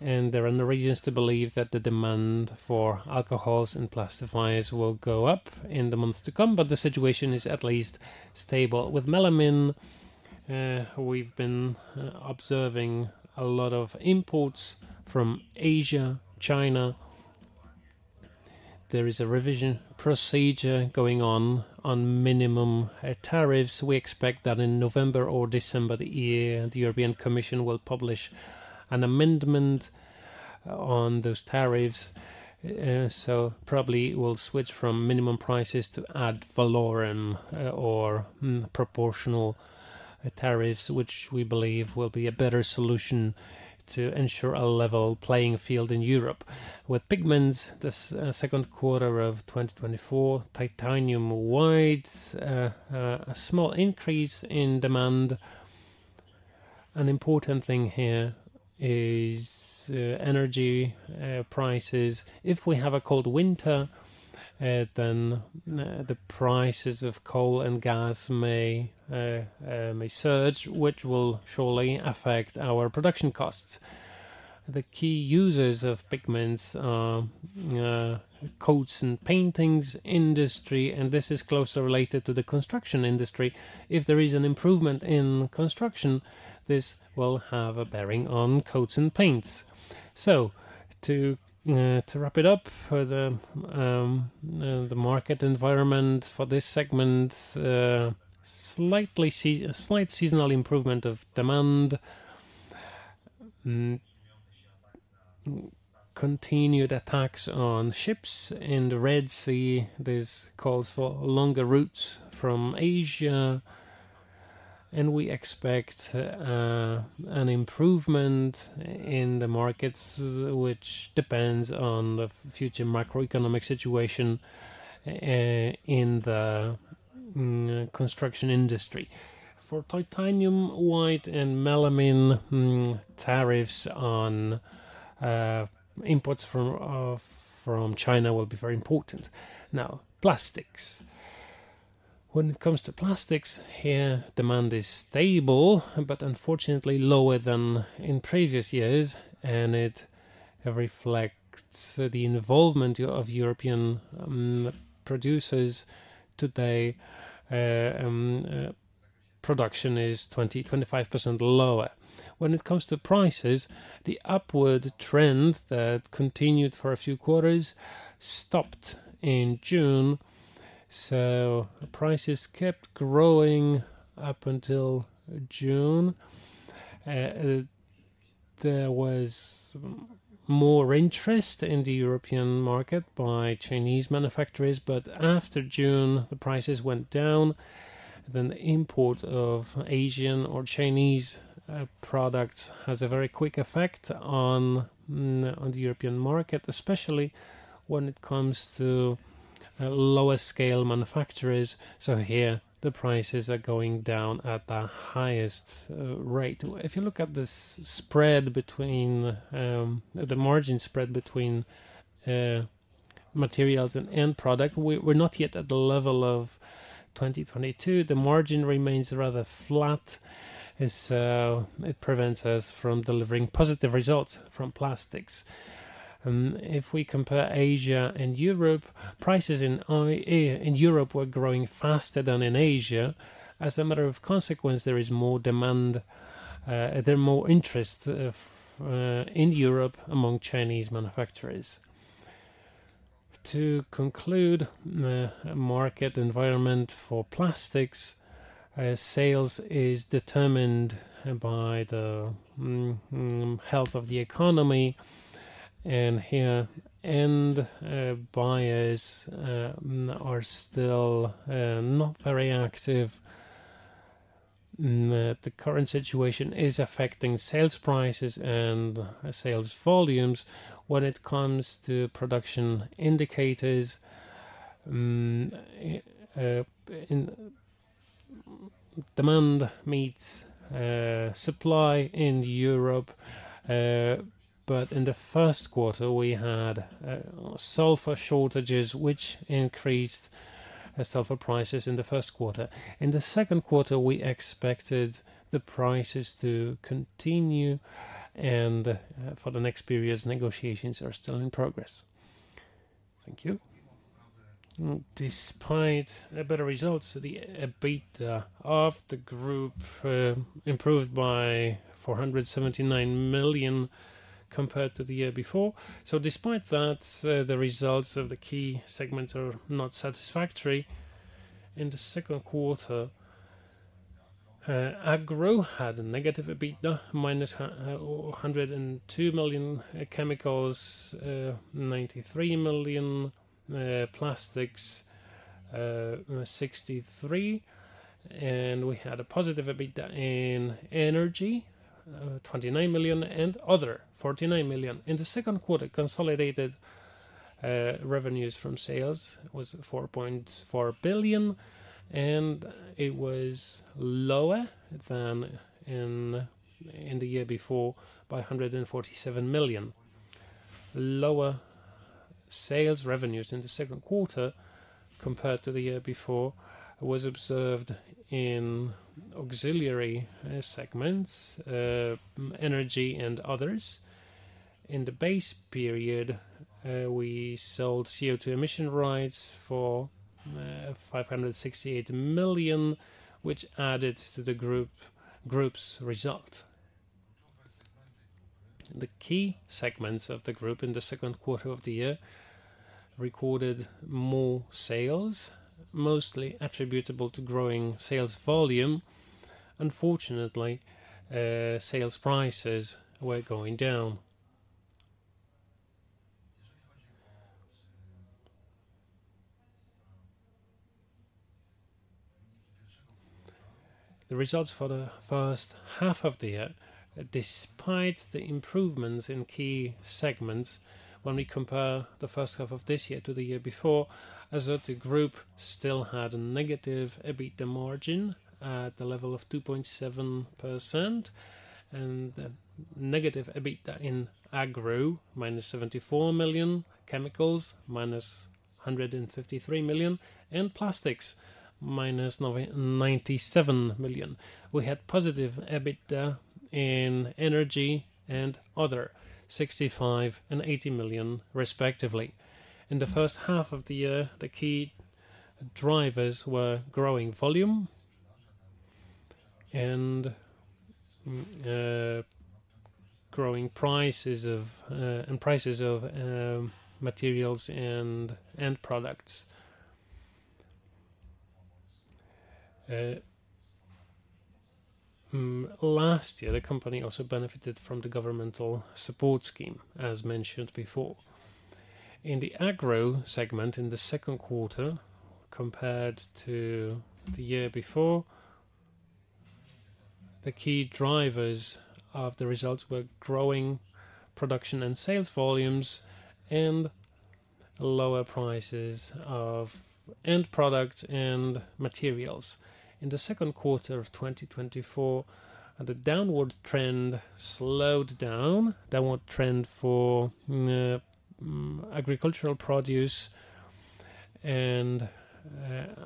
Speaker 4: and there are no reasons to believe that the demand for alcohols and plastifiers will go up in the months to come, but the situation is at least stable. With melamine, we've been observing a lot of imports from Asia, China. There is a revision procedure going on, on minimum tariffs. We expect that in November or December this year, the European Commission will publish an amendment on those tariffs. So probably we'll switch from minimum prices to ad valorem or proportional tariffs, which we believe will be a better solution to ensure a level playing field in Europe. With pigments, this second quarter of 2024, titanium white, a small increase in demand. An important thing here is energy prices. If we have a cold winter, then the prices of coal and gas may surge, which will surely affect our production costs. The key users of pigments are the coatings and paints industry, and this is closely related to the construction industry. If there is an improvement in construction, this will have a bearing on coatings and paints. So to wrap it up for the market environment for this segment, a slight seasonal improvement of demand. Continued attacks on ships in the Red Sea. This calls for longer routes from Asia, and we expect an improvement in the markets, which depends on the future macroeconomic situation in the construction industry. For titanium white and melamine, tariffs on imports from China will be very important.
Speaker 3: Now, plastics. When it comes to plastics, here, demand is stable, but unfortunately lower than in previous years, and it reflects the involvement of European producers. Today, production is 20%-25% lower. When it comes to prices, the upward trend that continued for a few quarters stopped in June, so prices kept growing up until June. There was more interest in the European market by Chinese manufacturers, but after June, the prices went down. Then the import of Asian or Chinese products has a very quick effect on the European market, especially when it comes to lower scale manufacturers. So here the prices are going down at the highest rate. If you look at this spread between the margin spread between materials and end product, we're not yet at the level of twenty twenty-two. The margin remains rather flat, and so it prevents us from delivering positive results from plastics. If we compare Asia and Europe, prices in Europe were growing faster than in Asia. As a matter of consequence, there is more demand, there are more interest of in Europe among Chinese manufacturers. To conclude, the market environment for plastics sales is determined by the health of the economy, and here end buyers are still not very active. The current situation is affecting sales prices and sales volumes. When it comes to production indicators, in demand meets supply in Europe, but in the first quarter, we had sulfur shortages, which increased sulfur prices in the first quarter. In the second quarter, we expected the prices to continue, and for the next period, negotiations are still in progress. Thank you. Despite better results, the EBITDA of the group improved by 479 million compared to the year before. So despite that, the results of the key segments are not satisfactory. In the second quarter, Agro had a negative EBITDA, -102 million, Chemicals, 93 million, Plastics, 63 million, and we had a positive EBITDA in Energy, 29 million, and Other, 49 million. In the second quarter, consolidated revenues from sales was 4.4 billion, and it was lower than in the year before by 147 million. Lower sales revenues in the second quarter compared to the year before was observed in auxiliary segments, energy and others. In the base period, we sold CO₂ emission rights for 568 million, which added to the group, group's result. The key segments of the group in the second quarter of the year recorded more sales, mostly attributable to growing sales volume. Unfortunately, sales prices were going down. The results for the first half of the year, despite the improvements in key segments, when we compare the first half of this year to the year before, Azoty Group still had a negative EBITDA margin at the level of 2.7% and a negative EBITDA in Agro, -74 million, Chemicals, -153 million, and Plastics, -97 million. We had positive EBITDA in energy and other, 65 million and 80 million, respectively. In the first half of the year, the key drivers were growing volume and growing prices of materials and end products. Last year, the company also benefited from the governmental support scheme, as mentioned before. In the Agro segment, in the second quarter, compared to the year before, the key drivers of the results were growing production and sales volumes and lower prices of end product and materials. In the second quarter of 2024, the downward trend slowed down. Downward trend for agricultural produce and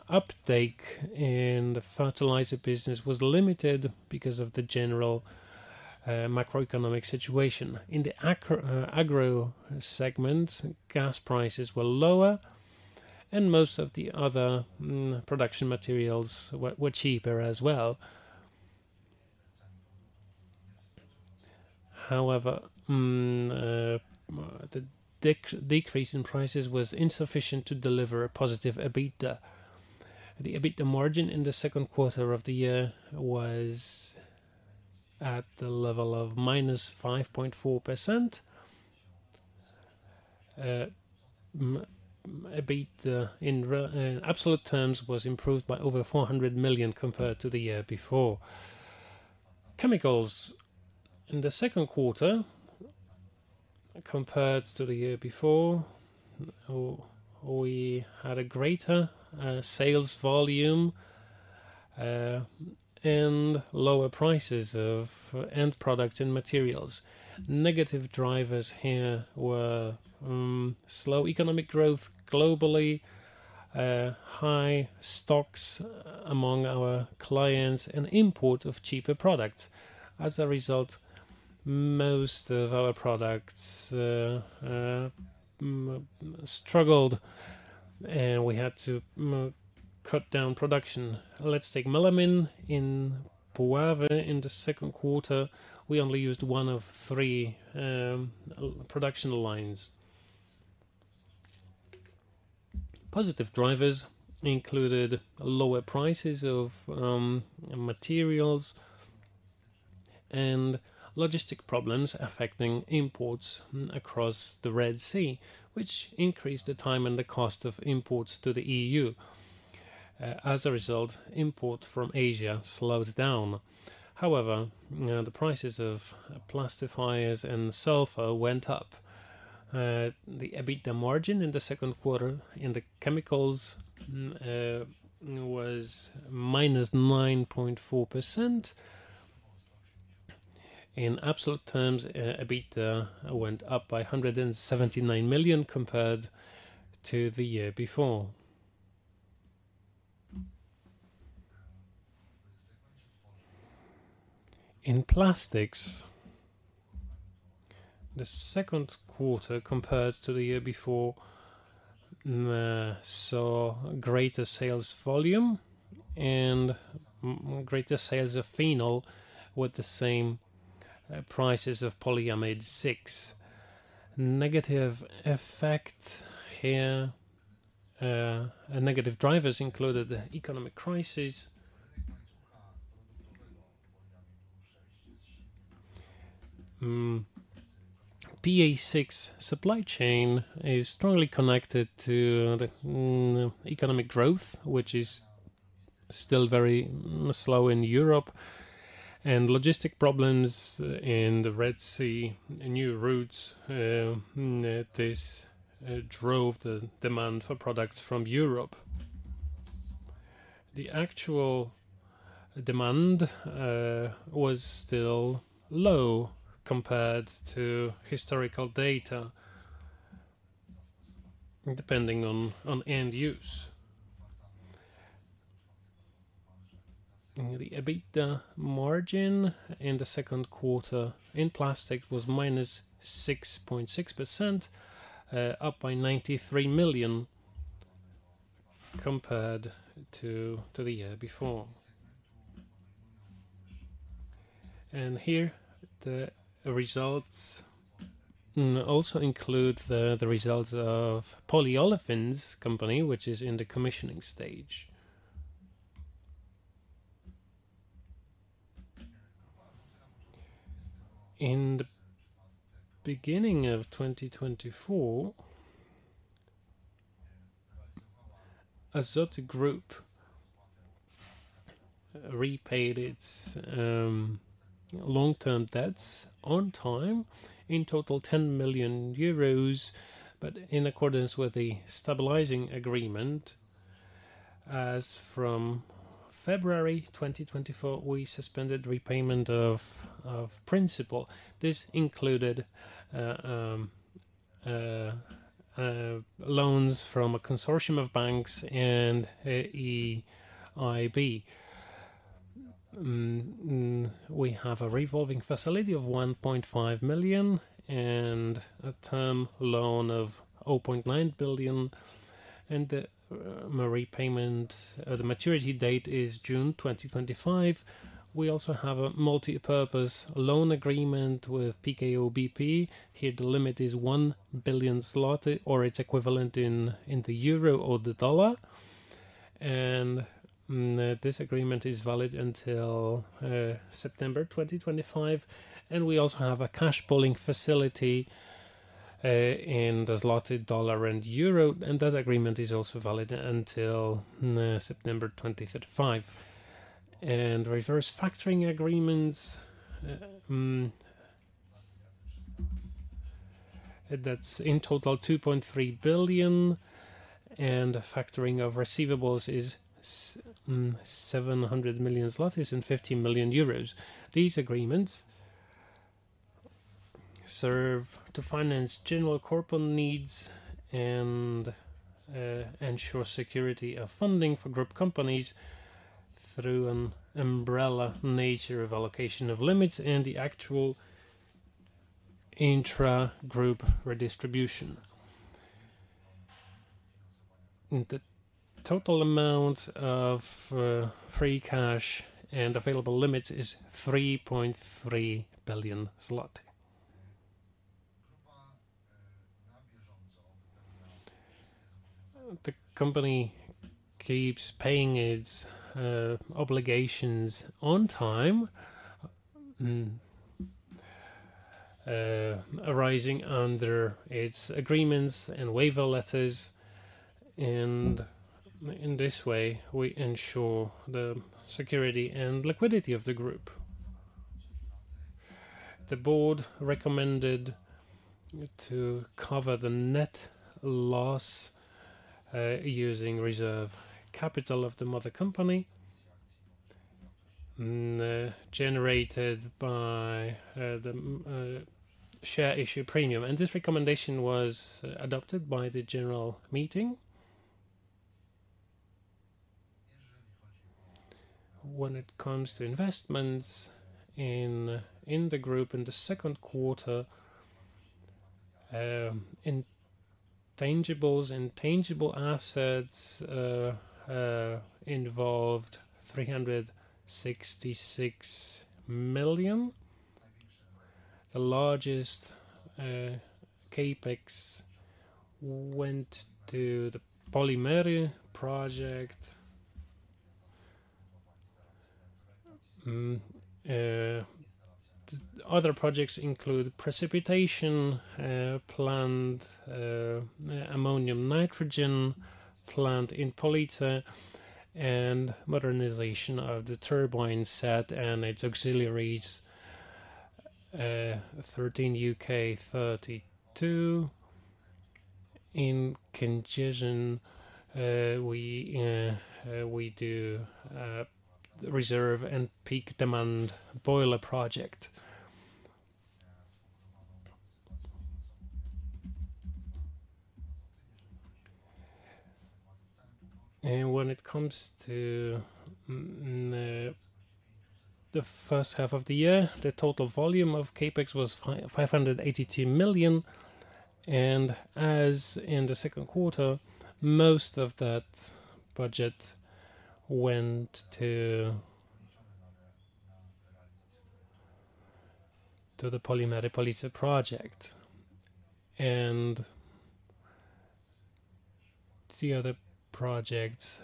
Speaker 3: uptake in the fertilizer business was limited because of the general macroeconomic situation. In the Agro segment, gas prices were lower, and most of the other production materials were cheaper as well. However, the decrease in prices was insufficient to deliver a positive EBITDA. The EBITDA margin in the second quarter of the year was at the level of -5.4%. EBITDA in absolute terms was improved by over 400 million compared to the year before. Chemicals. In the second quarter, compared to the year before, we had a greater sales volume, and lower prices of end products and materials. Negative drivers here were slow economic growth globally, high stocks among our clients, and import of cheaper products. As a result, most of our products struggled, and we had to cut down production. Let's take melamine in Puławy. In the second quarter, we only used one of three production lines. Positive drivers included lower prices of materials and logistic problems affecting imports across the Red Sea, which increased the time and the cost of imports to the EU. As a result, import from Asia slowed down. However, the prices of plastifiers and sulfur went up. The EBITDA margin in the second quarter in the Chemicals was -9.4%. In absolute terms, EBITDA went up by 179 million compared to the year before. In Plastics, the second quarter, compared to the year before, saw greater sales volume and greater sales of phenol, with the same prices of polyamide six. Negative effect here, and negative drivers included the economic crisis. PA6 supply chain is strongly connected to the economic growth, which is still very slow in Europe and logistic problems in the Red Sea, new routes, this drove the demand for products from Europe. The actual demand was still low compared to historical data, depending on end use. The EBITDA margin in the second quarter in Plastics was -6.6%, up by 93 million compared to the year before. And here, the results also include the results of Polyolefins company, which is in the commissioning stage. In the beginning of 2024, Azoty Group repaid its long-term debts on time, in total, 10 million euros, but in accordance with the stabilizing agreement, as from February 2024, we suspended repayment of principal. This included loans from a consortium of banks and EIB. We have a revolving facility of 1.5 million and a term loan of 0.9 billion, and the repayment, the maturity date is June 2025. We also have a multipurpose loan agreement with PKO BP. Here, the limit is 1 billion zloty, or its equivalent in EUR or USD. And this agreement is valid until September 2025. And we also have a cash pooling facility in the zloty, dollar, and euro, and that agreement is also valid until September 2035. And reverse factoring agreements, that's in total 2.3 billion... and the factoring of receivables is 700 million zlotys and 50 million euros. These agreements serve to finance general corporate needs and ensure security of funding for group companies through an umbrella nature of allocation of limits and the actual intra-group redistribution. And the total amount of free cash and available limits is 3.3 billion zloty. The company keeps paying its obligations on time arising under its agreements and waiver letters, and in this way, we ensure the security and liquidity of the group. The board recommended to cover the net loss using reserve capital of the mother company generated by the share issue premium, and this recommendation was adopted by the general meeting. When it comes to investments in the group, in the second quarter, intangibles and tangible assets involved 366 million. The largest CapEx went to the Polimery project. The other projects include precipitation plant, ammonium nitrate plant in Police, and modernization of the turbine set and its auxiliaries, 13UP32. In Kędzierzyn, we do reserve and peak demand boiler project. And when it comes to the first half of the year, the total volume of CapEx was 582 million, and as in the second quarter, most of that budget went to the Polimery Police project and the other projects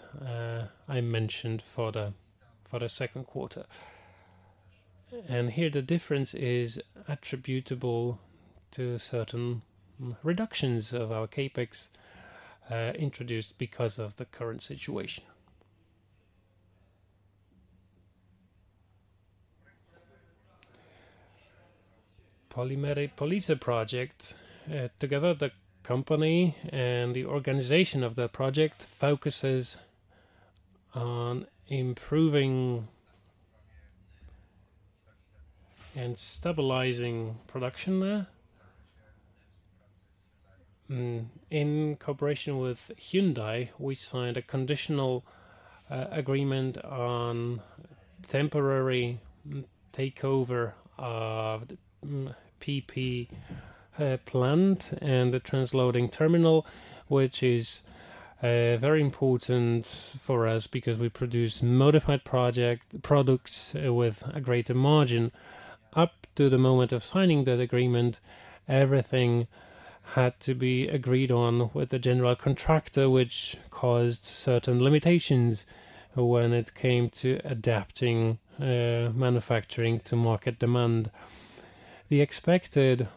Speaker 3: I mentioned for the second quarter. And here, the difference is attributable to certain reductions of our CapEx introduced because of the current situation.
Speaker 5: Polimery Police project, together, the company and the organization of the project focuses on improving and stabilizing production there. In cooperation with Hyundai, we signed a conditional agreement on temporary takeover of the PP plant and the transloading terminal, which is very important for us because we produce modified products with a greater margin. Up to the moment of signing that agreement, everything had to be agreed on with the general contractor, which caused certain limitations when it came to adapting manufacturing to market demand. The expected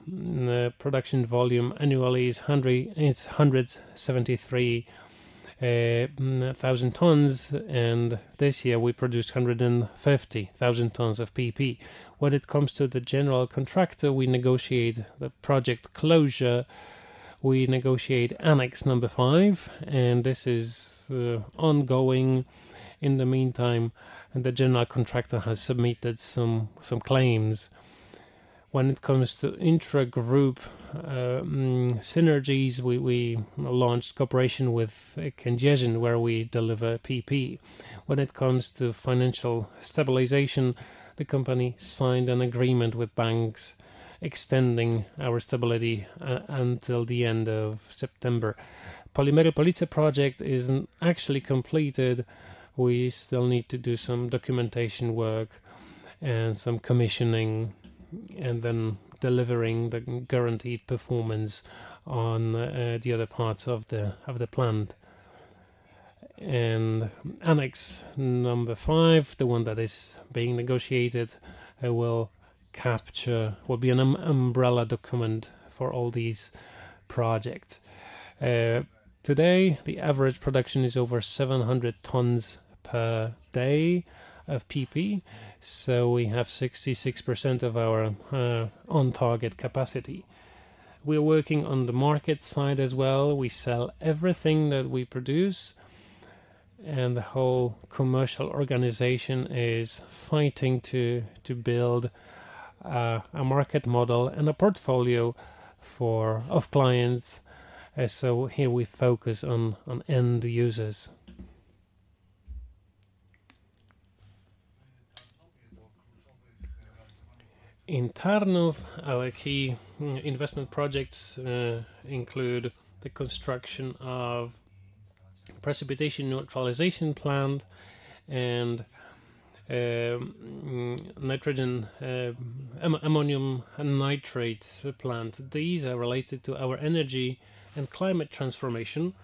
Speaker 5: production volume annually is 173,000 tonnes, and this year we produced 150,000 tonnes of PP. When it comes to the general contractor, we negotiate the project closure, we negotiate Annex Number Five, and this is ongoing. In the meantime, the general contractor has submitted some claims. When it comes to intra-group synergies, we launched cooperation with Kędzierzyn, where we deliver PP. When it comes to financial stabilization, the company signed an agreement with banks, extending our stability until the end of September. Polimery Police project isn't actually completed. We still need to do some documentation work and some commissioning, and then delivering the guaranteed performance on the other parts of the plant. Annex Number Five, the one that is being negotiated, will capture. Will be an umbrella document for all these project. Today, the average production is over 700 tonnes per day of PP, so we have 66% of our on-target capacity. We're working on the market side as well. We sell everything that we produce, and the whole commercial organization is fighting to build a market model and a portfolio for of clients. So here we focus on end users.
Speaker 3: In Tarnów, our key investment projects include the construction of precipitation neutralization plant and nitrogen ammonium nitrate plant. These are related to our energy and climate transformation.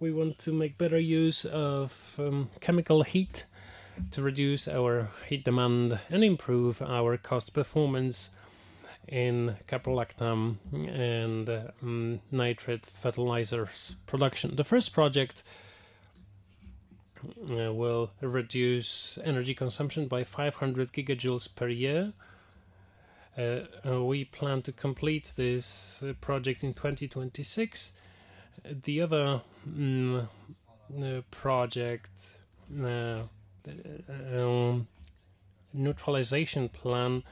Speaker 3: We want to make better use of chemical heat to reduce our heat demand and improve our cost performance in caprolactam and nitrate fertilizers production. The first project will reduce energy consumption by 500 gigajoules per year. We plan to complete this project in 2026. The other project, neutralization plant,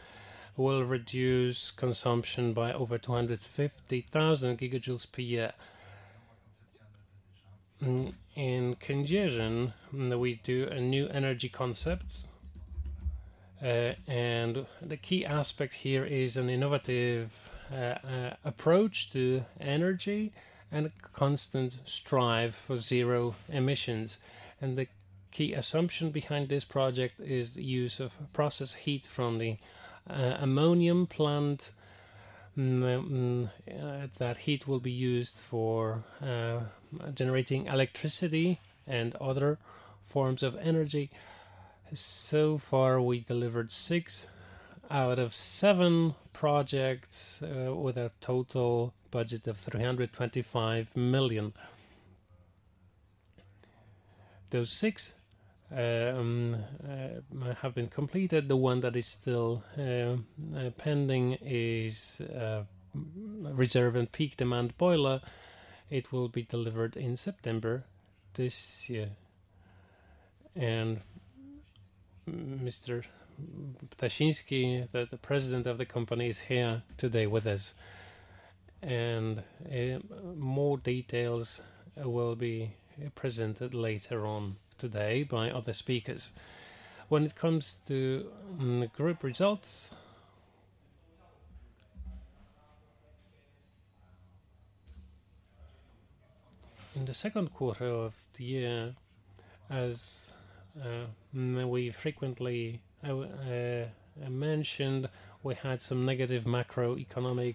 Speaker 3: will reduce consumption by over 250,000 gigajoules per year. In Kędzierzyn, we do a new energy concept, and the key aspect here is an innovative approach to energy and a constant strive for zero emissions. And the key assumption behind this project is the use of process heat from the ammonia plant. That heat will be used for generating electricity and other forms of energy. So far, we delivered six out of seven projects with a total budget of 325 million. Those six have been completed. The one that is still pending is reserve and peak demand boiler. It will be delivered in September this year, and Mr. Ptasiński, the president of the company, is here today with us, and more details will be presented later on today by other speakers. When it comes to group results, in the second quarter of the year, as we frequently mentioned, we had some negative macroeconomic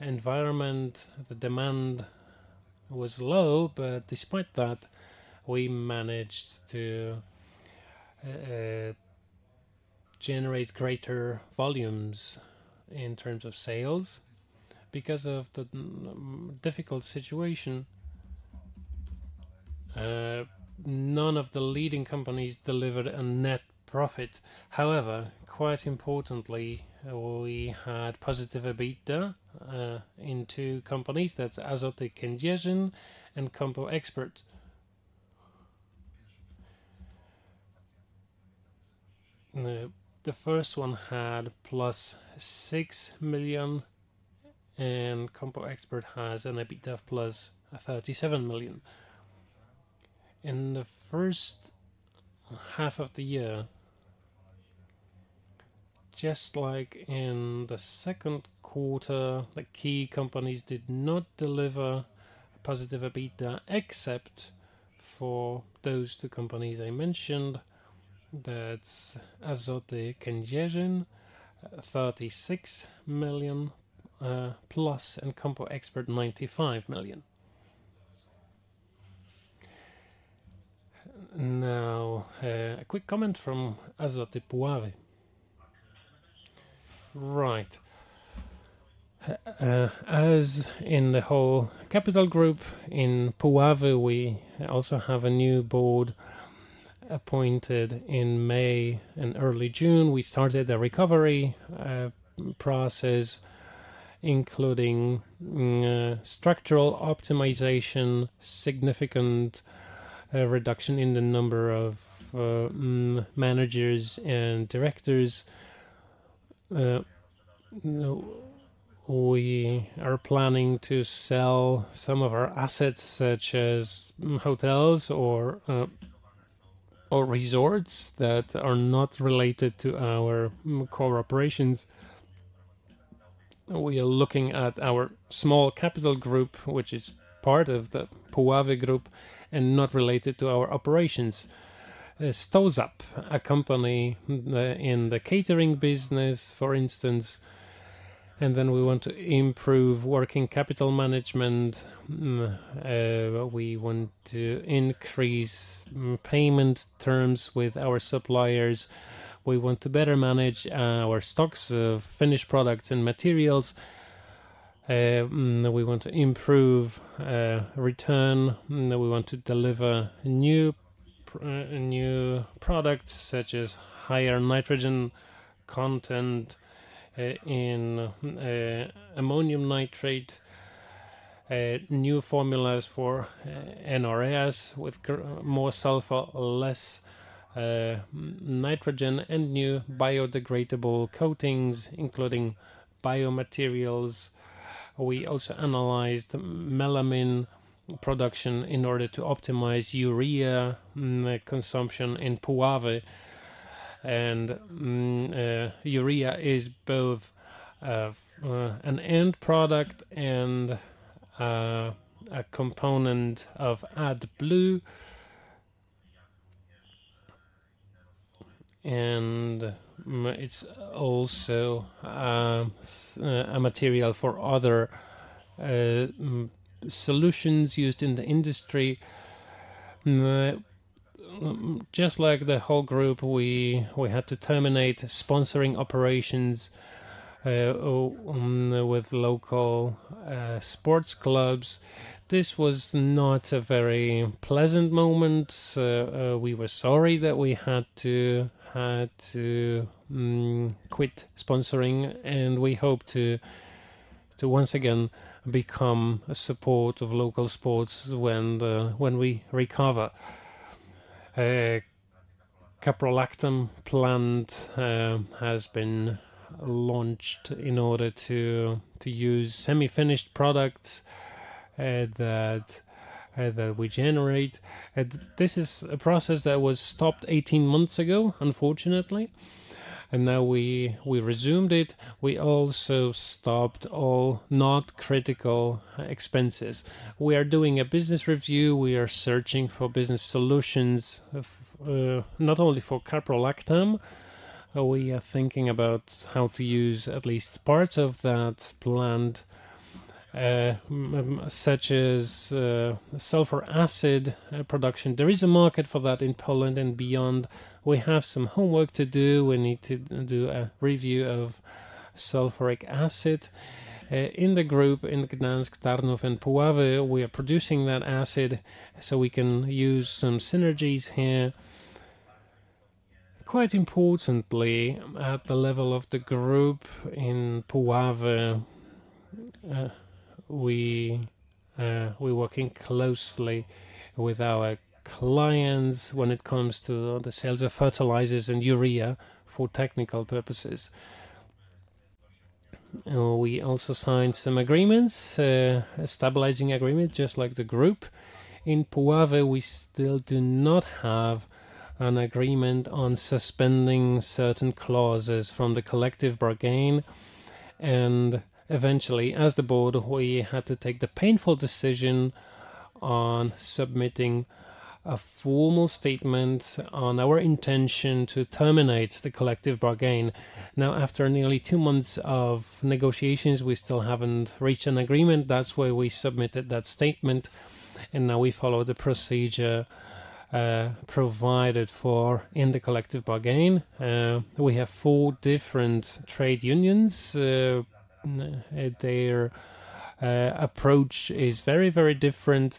Speaker 3: environment. The demand was low, but despite that, we managed to generate greater volumes in terms of sales. Because of the difficult situation, none of the leading companies delivered a net profit. However, quite importantly, we had positive EBITDA in two companies, that's Azoty Kędzierzyn and Compo Expert. The first one had +6 million, and Compo Expert has an EBITDA of +37 million. In the first half of the year, just like in the second quarter, the key companies did not deliver positive EBITDA, except for those two companies I mentioned. That's Azoty Kędzierzyn, 36 million+, and Compo Expert, 95 million.
Speaker 4: Now, a quick comment from Azoty Puławy. Right. As in the whole capital group, in Puławy, we also have a new board appointed in May and early June. We started a recovery process, including structural optimization, significant reduction in the number of managers and directors. We are planning to sell some of our assets, such as hotels or resorts that are not related to our core operations. We are looking at our small capital group, which is part of the Puławy Group and not related to our operations. Sto-Zap, a company in the catering business, for instance, and then we want to improve working capital management. We want to increase payment terms with our suppliers. We want to better manage our stocks of finished products and materials. We want to improve return, and we want to deliver new products such as higher nitrogen content in ammonium nitrate, new formulas for NS with more sulfur, less nitrogen, and new biodegradable coatings, including biomaterials. We also analyzed melamine production in order to optimize urea consumption in Puławy, and urea is both an end product and a component of AdBlue. It's also a material for other solutions used in the industry. Just like the whole group, we had to terminate sponsoring operations with local sports clubs. This was not a very pleasant moment. We were sorry that we had to quit sponsoring, and we hope to once again become a support of local sports when we recover. Caprolactam plant has been launched in order to use semi-finished products that we generate. This is a process that was stopped eighteen months ago, unfortunately, and now we resumed it. We also stopped all not critical expenses. We are doing a business review. We are searching for business solutions of, not only for caprolactam. We are thinking about how to use at least parts of that plant, such as, sulfuric acid production. There is a market for that in Poland and beyond. We have some homework to do. We need to do a review of sulfuric acid. In the group, in Gdańsk, Tarnów, and Puławy, we are producing that acid, so we can use some synergies here. Quite importantly, at the level of the group in Puławy, we, we're working closely with our clients when it comes to the sales of fertilizers and urea for technical purposes. We also signed some agreements, a stabilizing agreement, just like the group. In Puławy, we still do not have an agreement on suspending certain clauses from the collective bargain, and eventually, as the board, we had to take the painful decision on submitting a formal statement on our intention to terminate the collective bargain. Now, after nearly two months of negotiations, we still haven't reached an agreement. That's why we submitted that statement, and now we follow the procedure provided for in the collective bargain. We have four different trade unions. Their approach is very, very different,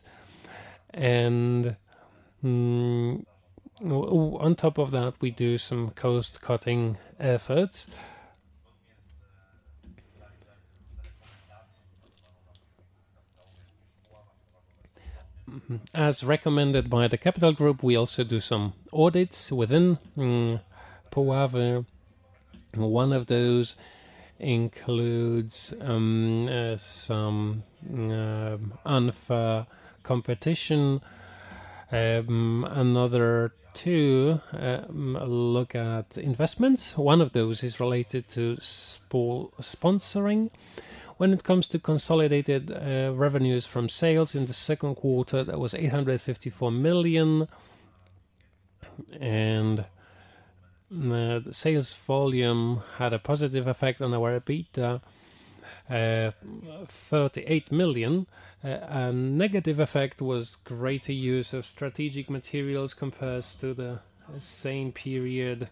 Speaker 4: and on top of that, we do some cost-cutting efforts. As recommended by the capital group, we also do some audits within Puławy. One of those includes some unfair competition. Another two look at investments. One of those is related to sponsoring. When it comes to consolidated revenues from sales in the second quarter, that was 854 million, and the sales volume had a positive effect on our EBITDA, 38 million. A negative effect was greater use of strategic materials compared to the same period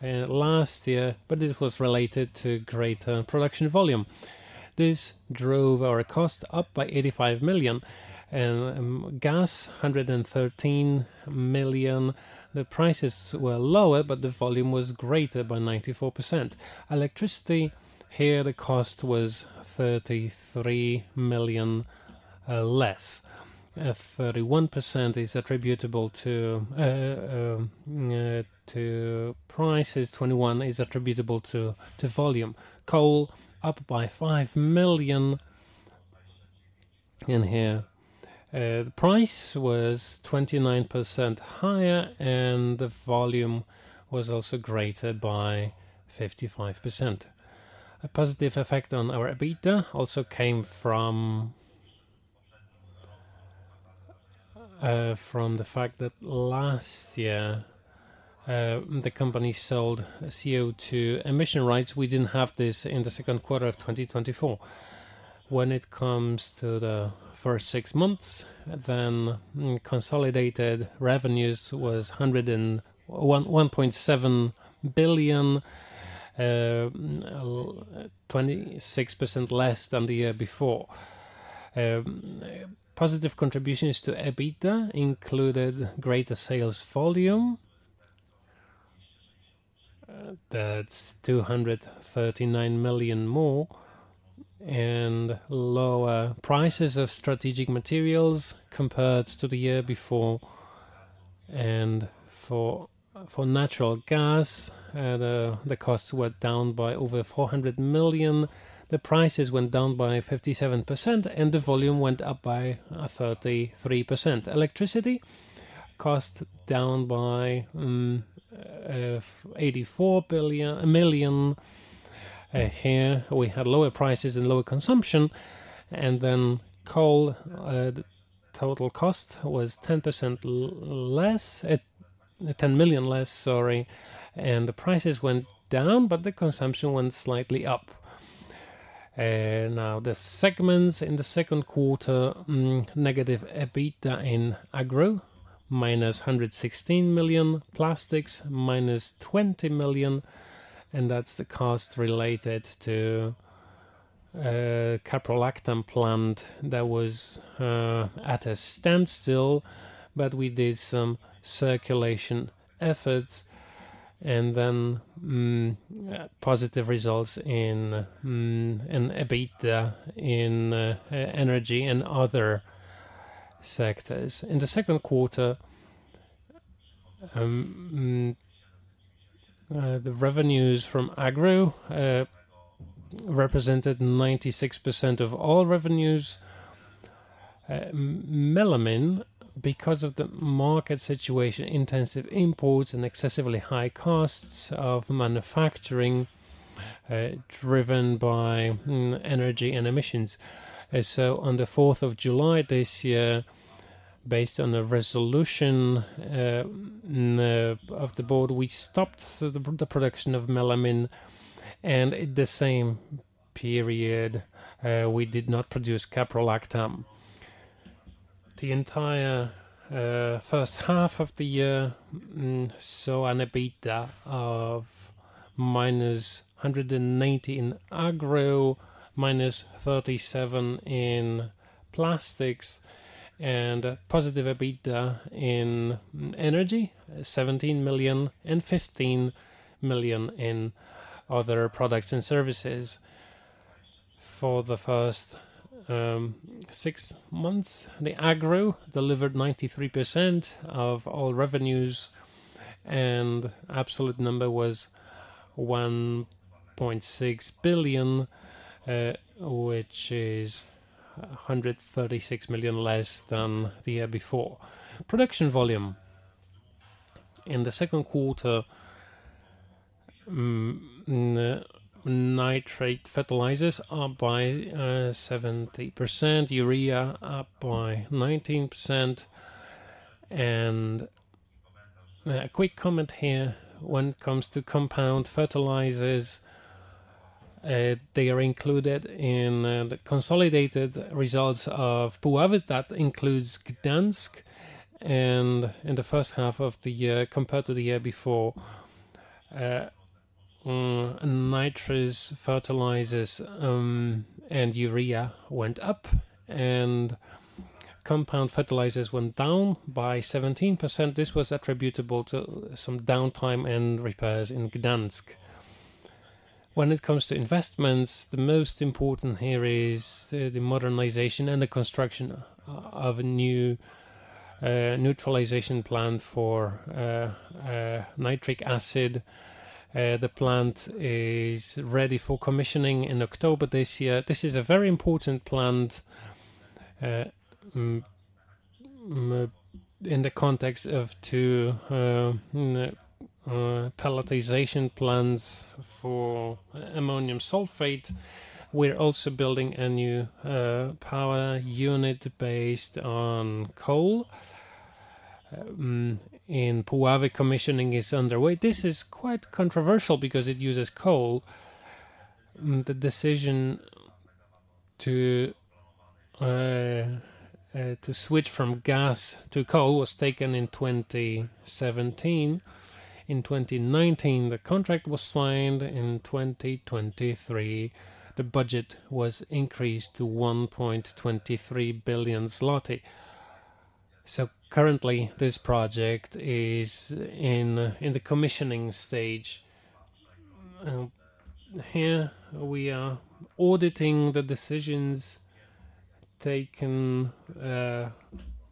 Speaker 4: last year, but this was related to greater production volume. This drove our cost up by 85 million. And gas, 113 million. The prices were lower, but the volume was greater by 94%. Electricity, here, the cost was 33 million less. 31% is attributable to prices, 21 is attributable to volume. Coal, up by 5 million in here. The price was 29% higher, and the volume was also greater by 55%. A positive effect on our EBITDA also came from the fact that last year, the company sold CO2 emission rights. We didn't have this in the second quarter of 2024. When it comes to the first six months, then consolidated revenues was 101.7 million, 26% less than the year before. Positive contributions to EBITDA included greater sales volume. That's 239 million more and lower prices of strategic materials compared to the year before. And for natural gas, the costs were down by over 400 million. The prices went down by 57%, and the volume went up by 33%. Electricity cost down by 84 million. Here we had lower prices and lower consumption, and then coal, the total cost was 10% less, 10 million less, sorry, and the prices went down, but the consumption went slightly up. Now the segments in the second quarter, negative EBITDA in Agro, -116 million, Plastics, -20 million, and that's the cost related to caprolactam plant that was at a standstill, but we did some circulation efforts and then positive results in EBITDA in Energy and other sectors. In the second quarter, the revenues from Agro represented 96% of all revenues. Melamine, because of the market situation, intensive imports, and excessively high costs of manufacturing, driven by energy and emissions. On the fourth of July this year, based on the resolution of the board, we stopped the production of melamine, and in the same period, we did not produce caprolactam. The entire first half of the year, so an EBITDA of -190 million in Agro, -37 million in Plastics, and a positive EBITDA in Energy, 17 million and 15 million in other products and services. For the first six months, the Agro delivered 93% of all revenues, and absolute number was 1.6 billion, which is 136 million less than the year before. Production volume. In the second quarter, nitrate fertilizers are up by 70%, urea up by 19%. A quick comment here, when it comes to compound fertilizers, they are included in the consolidated results of Puławy. That includes Gdańsk, and in the first half of the year, compared to the year before, nitric fertilizers and urea went up, and compound fertilizers went down by 17%. This was attributable to some downtime and repairs in Gdańsk. When it comes to investments, the most important here is the modernization and the construction of a new neutralization plant for nitric acid. The plant is ready for commissioning in October this year. This is a very important plant in the context of pelletization plants for ammonium sulfate. We're also building a new power unit based on coal. In Puławy, commissioning is underway. This is quite controversial because it uses coal. The decision to switch from gas to coal was taken in 2017. In 2019, the contract was signed. In 2023, the budget was increased to 1.23 billion zloty. So currently, this project is in the commissioning stage. Here we are auditing the decisions taken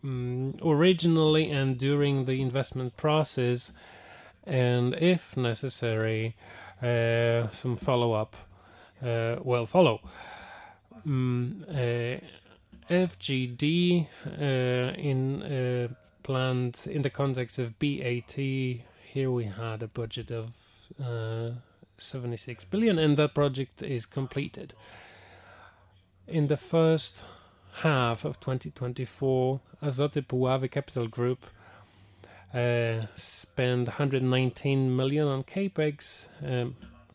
Speaker 4: originally and during the investment process, and if necessary, some follow-up will follow. FGD in plant, in the context of BAT, here we had a budget of 76 million, and that project is completed. In the first half of 2024, Azoty Puławy Capital Group spent 119 million on CapEx,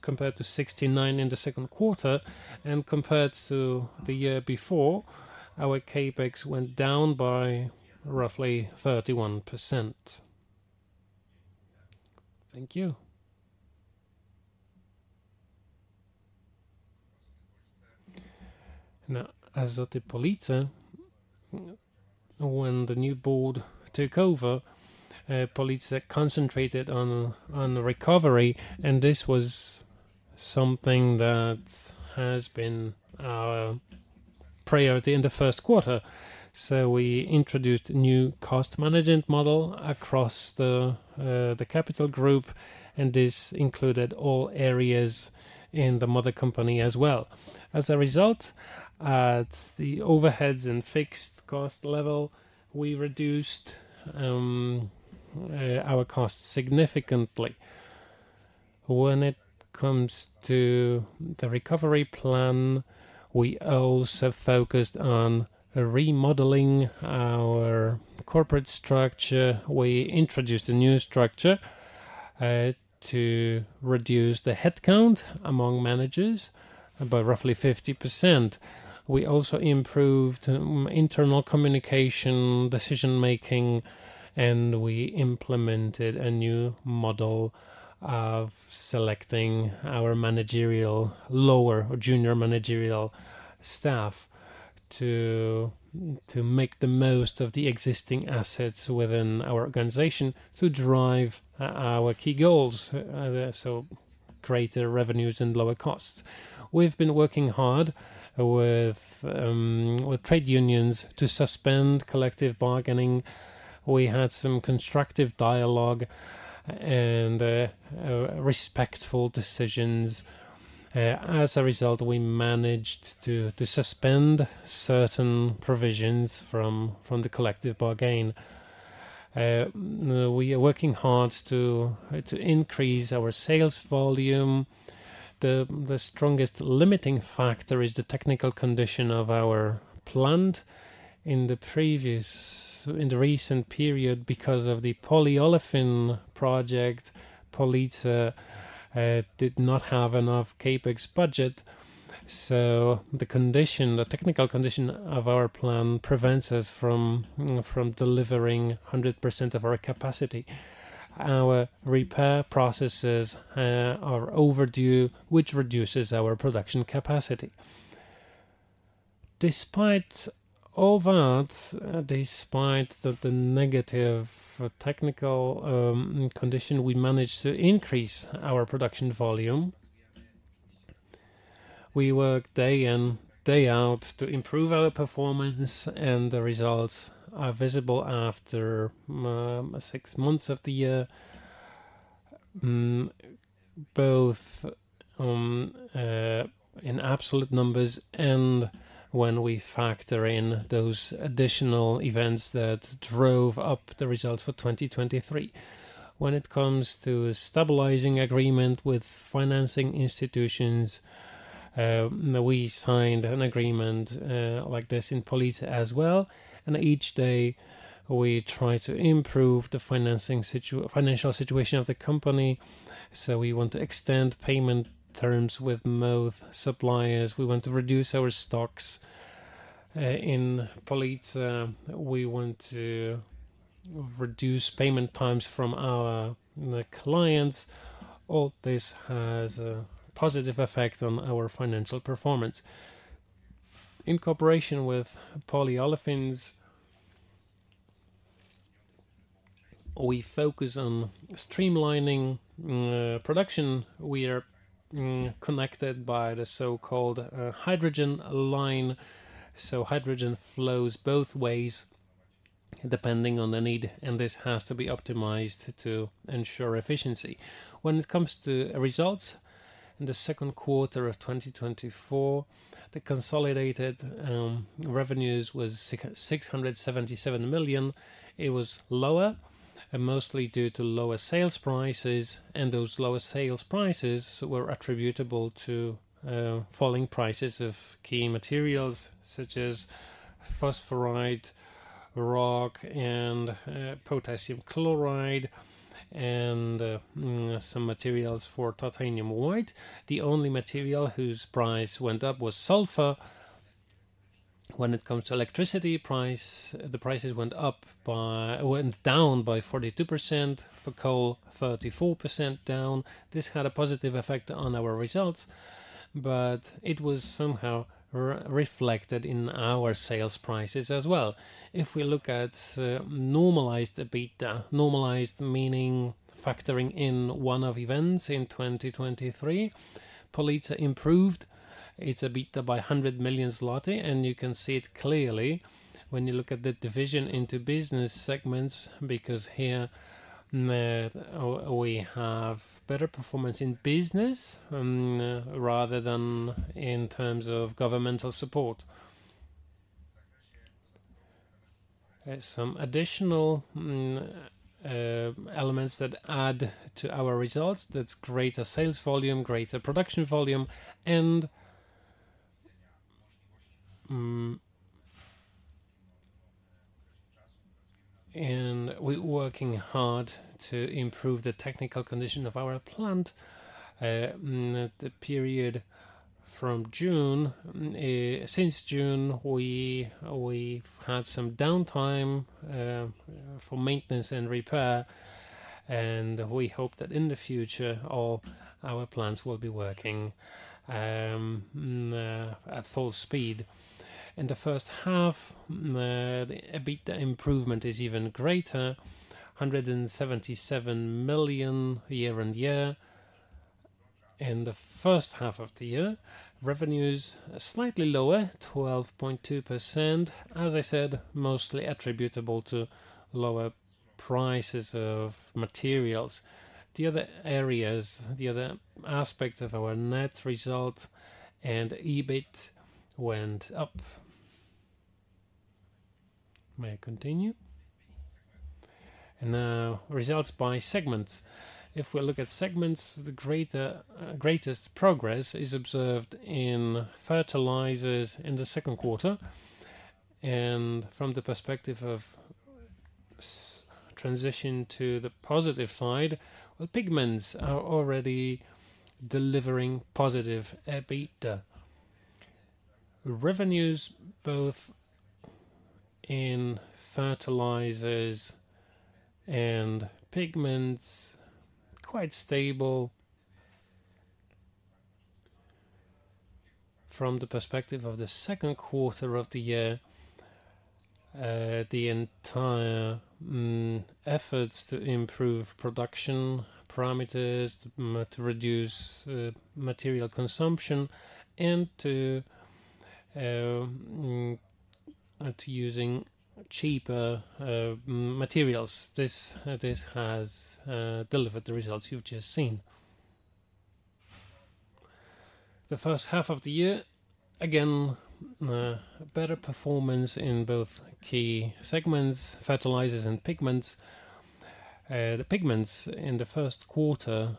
Speaker 4: compared to 69 million in the second quarter, and compared to the year before, our CapEx went down by roughly 31%.
Speaker 5: Thank you. Now, as of Police, when the new board took over, Police concentrated on the recovery, and this was something that has been our priority in the first quarter. We introduced a new cost management model across the capital group, and this included all areas in the mother company as well. As a result, the overheads and fixed cost level, we reduced our costs significantly. When it comes to the recovery plan, we also focused on remodeling our corporate structure. We introduced a new structure to reduce the headcount among managers by roughly 50%. We also improved internal communication, decision-making, and we implemented a new model of selecting our managerial, lower or junior managerial staff, to make the most of the existing assets within our organization to drive our key goals, so greater revenues and lower costs. We've been working hard with trade unions to suspend collective bargaining. We had some constructive dialogue and respectful decisions. As a result, we managed to suspend certain provisions from the collective bargain. We are working hard to increase our sales volume. The strongest limiting factor is the technical condition of our plant. In the recent period, because of the polyolefin project, Police did not have enough CapEx budget, so the technical condition of our plant prevents us from delivering 100% of our capacity. Our repair processes are overdue, which reduces our production capacity. Despite all that, despite the negative technical condition, we managed to increase our production volume. We work day in, day out to improve our performance, and the results are visible after six months of the year, both in absolute numbers and when we factor in those additional events that drove up the results for twenty twenty-three. When it comes to stabilizing agreement with financing institutions, we signed an agreement like this in Police as well, and each day we try to improve the financial situation of the company. So we want to extend payment terms with both suppliers. We want to reduce our stocks. In Police, we want to reduce payment times from our clients. All this has a positive effect on our financial performance. In cooperation with Polyolefins, we focus on streamlining production. We are connected by the so-called hydrogen line, so hydrogen flows both ways, depending on the need, and this has to be optimized to ensure efficiency. When it comes to results, in the second quarter of2024, the consolidated revenues was 677 million. It was lower, and mostly due to lower sales prices, and those lower sales prices were attributable to falling prices of key materials such as phosphorite rock and potassium chloride, and some materials for titanium white. The only material whose price went up was sulfur. When it comes to electricity price, the prices went down by 42%. For coal, 34% down. This had a positive effect on our results, but it was somehow re-reflected in our sales prices as well. If we look at normalized EBITDA, normalized meaning factoring in one-off events in 2023, Police improved its EBITDA by 100 million zloty, and you can see it clearly when you look at the division into business segments, because here we have better performance in business rather than in terms of governmental support. There's some additional elements that add to our results. That's greater sales volume, greater production volume, and we're working hard to improve the technical condition of our plant. From June, since June, we've had some downtime for maintenance and repair, and we hope that in the future, all our plants will be working at full speed. In the first half, the EBITDA improvement is even greater, 177 million year on year. In the first half of the year, revenues are slightly lower, 12.2%. As I said, mostly attributable to lower prices of materials. The other areas, the other aspects of our net result and EBIT went up. May I continue? And now, results by segment. If we look at segments, the greatest progress is observed in fertilizers in the second quarter, and from the perspective of transition to the positive side, the pigments are already delivering positive EBITDA. Revenues, both in fertilizers and pigments, quite stable. From the perspective of the second quarter of the year, the entire efforts to improve production parameters, to reduce material consumption and to using cheaper materials. This has delivered the results you've just seen. The first half of the year, again, better performance in both key segments, fertilizers and pigments. The pigments in the first quarter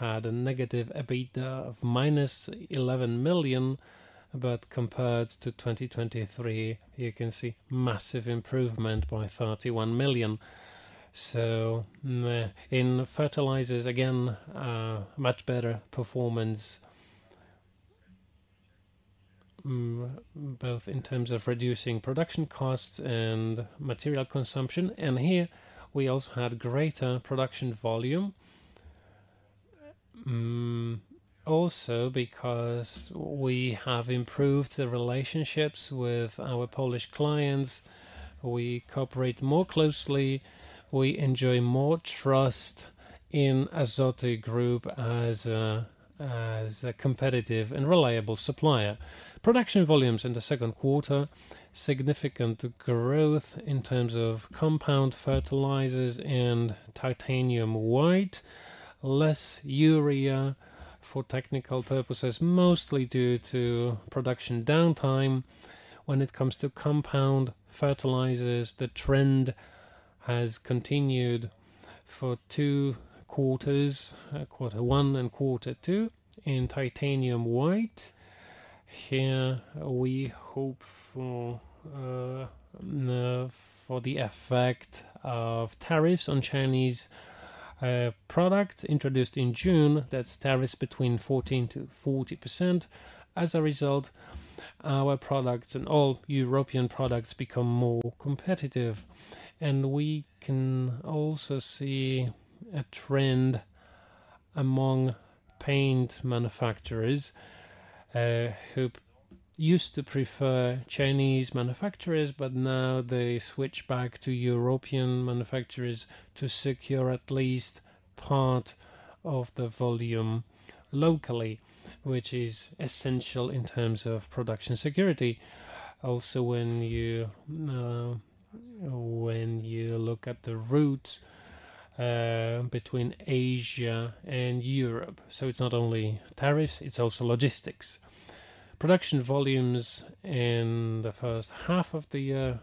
Speaker 5: had a negative EBITDA of -11 million, but compared to 2023, you can see massive improvement by 31 million. So, in fertilizers, again, a much better performance, both in terms of reducing production costs and material consumption, and here, we also had greater production volume. Also, because we have improved the relationships with our Polish clients, we cooperate more closely, we enjoy more trust in Azoty Group as a competitive and reliable supplier. Production volumes in the second quarter, significant growth in terms of compound fertilizers and titanium white, less urea for technical purposes, mostly due to production downtime. When it comes to compound fertilizers, the trend has continued for two quarters, quarter one and quarter two. In titanium white, here, we hope for the effect of tariffs on Chinese products introduced in June. That's tariffs between 14% and 40%. As a result, our products and all European products become more competitive, and we can also see a trend among paint manufacturers who used to prefer Chinese manufacturers, but now they switch back to European manufacturers to secure at least part of the volume locally, which is essential in terms of production security. Also, when you look at the route between Asia and Europe, so it's not only tariffs, it's also logistics. Production volumes in the first half of the year,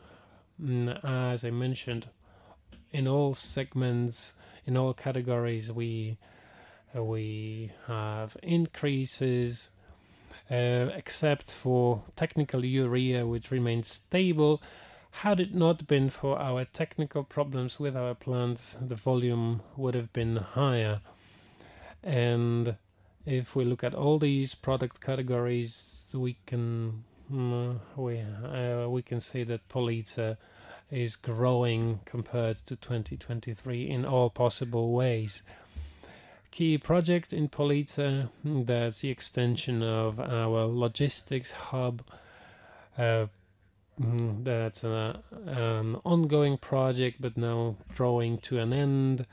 Speaker 5: as I mentioned, in all segments, in all categories, we have increases except for technical urea, which remains stable. Had it not been for our technical problems with our plants, the volume would have been higher. And if we look at all these product categories, we can say that Police is growing compared to 2023 in all possible ways. Key projects in Police, that's the extension of our logistics hub. That's an ongoing project, but now drawing to an end,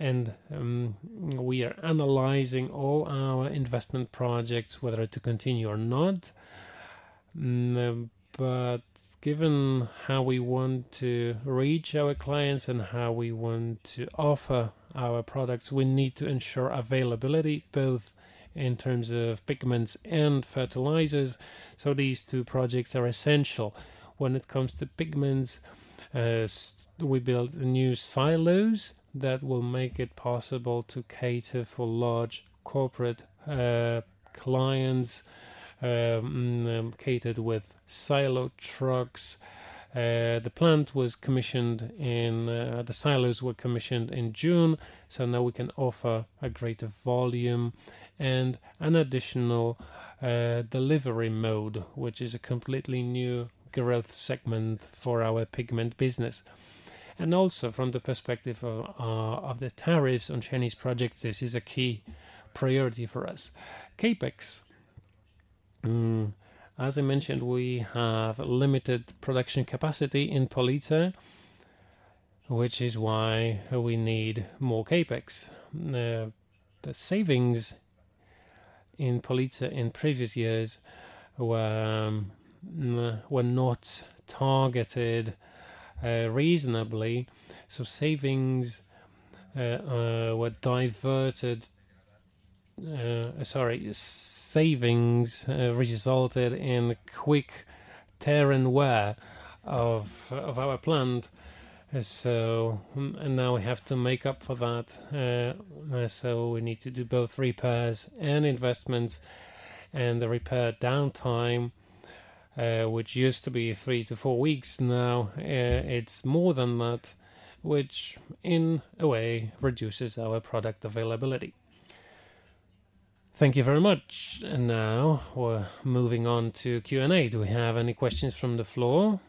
Speaker 5: and we are analyzing all our investment projects, whether to continue or not. But given how we want to reach our clients and how we want to offer our products, we need to ensure availability, both in terms of pigments and fertilizers, so these two projects are essential. When it comes to pigments, we built new silos that will make it possible to cater for large corporate clients catered with silo trucks. The plant was commissioned in, the silos were commissioned in June, so now we can offer a greater volume and an additional delivery mode, which is a completely new growth segment for our pigment business. And also from the perspective of the tariffs on Chinese projects, this is a key priority for us. CapEx. As I mentioned, we have limited production capacity in Police, which is why we need more CapEx. The savings in Police in previous years were not targeted reasonably. So savings resulted in quick wear and tear of our plant. Now we have to make up for that, so we need to do both repairs and investments. And the repair downtime, which used to be three to four weeks, now it's more than that, which in a way, reduces our product availability. Thank you very much. Now we're moving on to Q&A. Do we have any questions from the floor?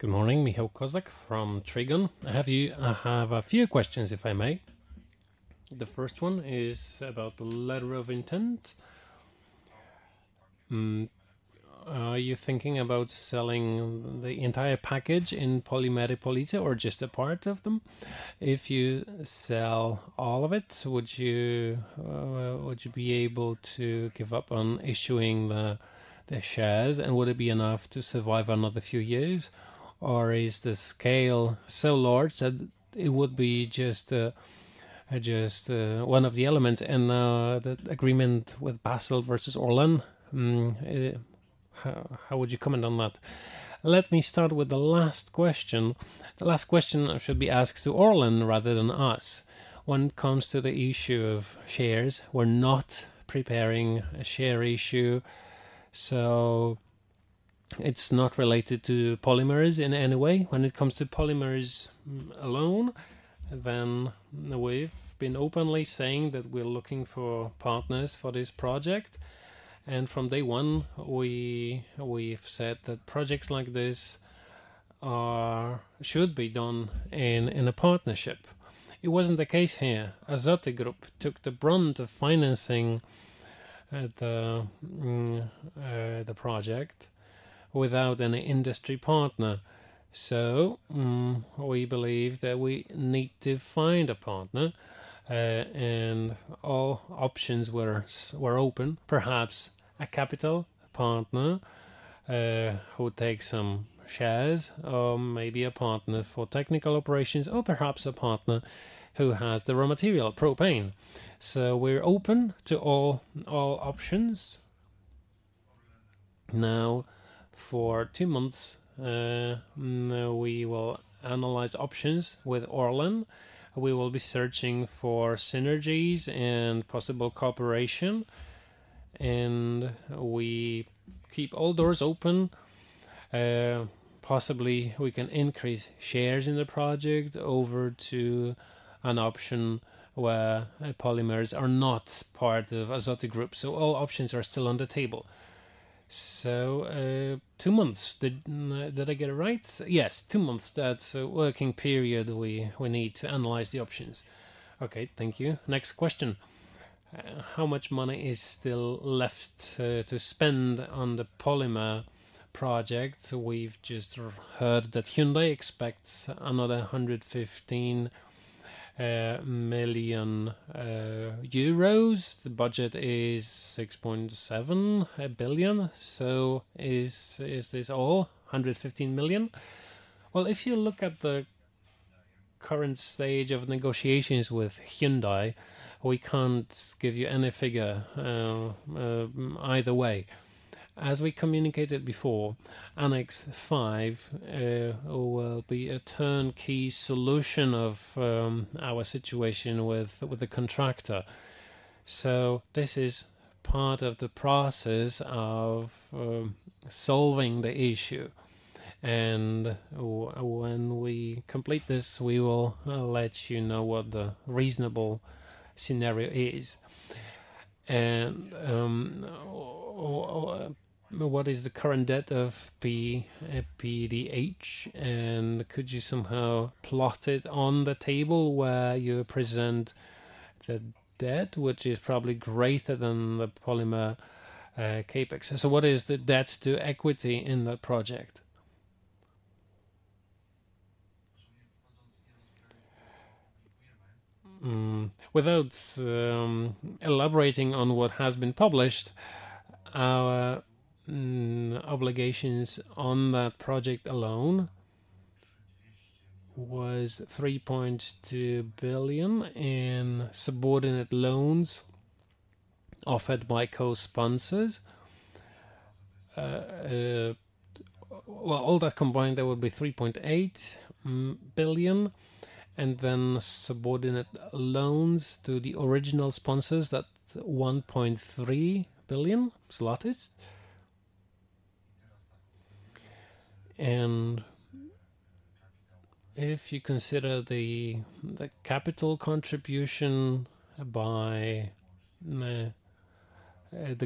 Speaker 6: Good morning, Michał Kozak from Trigon. I have a few questions, if I may. The first one is about the letter of intent. Are you thinking about selling the entire package in Polimery Police or just a part of them? If you sell all of it, would you be able to give up on issuing the shares, and would it be enough to survive another few years? Or is the scale so large that it would be just one of the elements in the agreement with PGE versus Orlen? How would you comment on that?
Speaker 2: Let me start with the last question. The last question should be asked to Orlen rather than us. When it comes to the issue of shares, we're not preparing a share issue, so it's not related to polymers in any way. When it comes to polymers alone, then we've been openly saying that we're looking for partners for this project, and from day one, we've said that projects like this should be done in a partnership. It wasn't the case here. Grupa Azoty took the brunt of financing at the project without any industry partner. So, we believe that we need to find a partner, and all options were open. Perhaps a capital partner, who takes some shares, or maybe a partner for technical operations, or perhaps a partner who has the raw material, propane. So we're open to all options. Now, for two months, we will analyze options with Orlen. We will be searching for synergies and possible cooperation, and we keep all doors open. Possibly, we can increase shares in the project over to an option where polymers are not part of Azoty Group, so all options are still on the table.
Speaker 6: So, two months, did I get it right?
Speaker 2: Yes, two months. That's a working period we need to analyze the options.
Speaker 6: Okay, thank you. Next question: How much money is still left to spend on the polymer project? We've just heard that Hyundai expects another 115 euros million. The budget is 6.7 billion. So is this all 115 million?
Speaker 5: Well, if you look at the current stage of negotiations with Hyundai, we can't give you any figure either way. As we communicated before, Annex Five will be a turnkey solution of our situation with the contractor. So this is part of the process of solving the issue. And when we complete this, we will let you know what the reasonable scenario is.
Speaker 6: And what is the current debt of PDH? And could you somehow plot it on the table where you present the debt, which is probably greater than the polymer CapEx? So what is the debt to equity in that project?
Speaker 3: Without elaborating on what has been published, our obligations on that project alone-... was 3.2 billion in subordinate loans offered by co-sponsors. Well, all that combined, that would be 3.8 billion, and then subordinate loans to the original sponsors, that 1.3 billion zlotys. And if you consider the capital contribution by the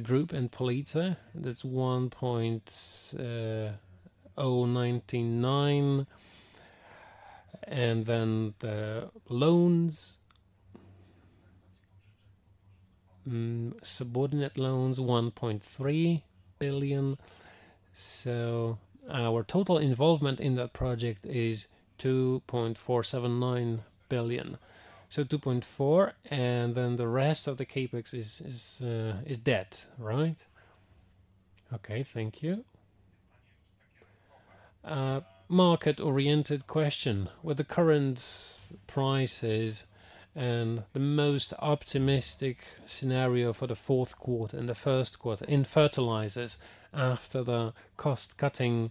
Speaker 3: group in Police, that's 1.099, and then the loans, subordinate loans, 1.3 billion. So our total involvement in that project is 2.479 billion. So 2.4 billion, and then the rest of the CapEx is debt.
Speaker 6: Right? Okay, thank you. Market-oriented question: with the current prices and the most optimistic scenario for the fourth quarter and the first quarter in fertilizers after the cost-cutting,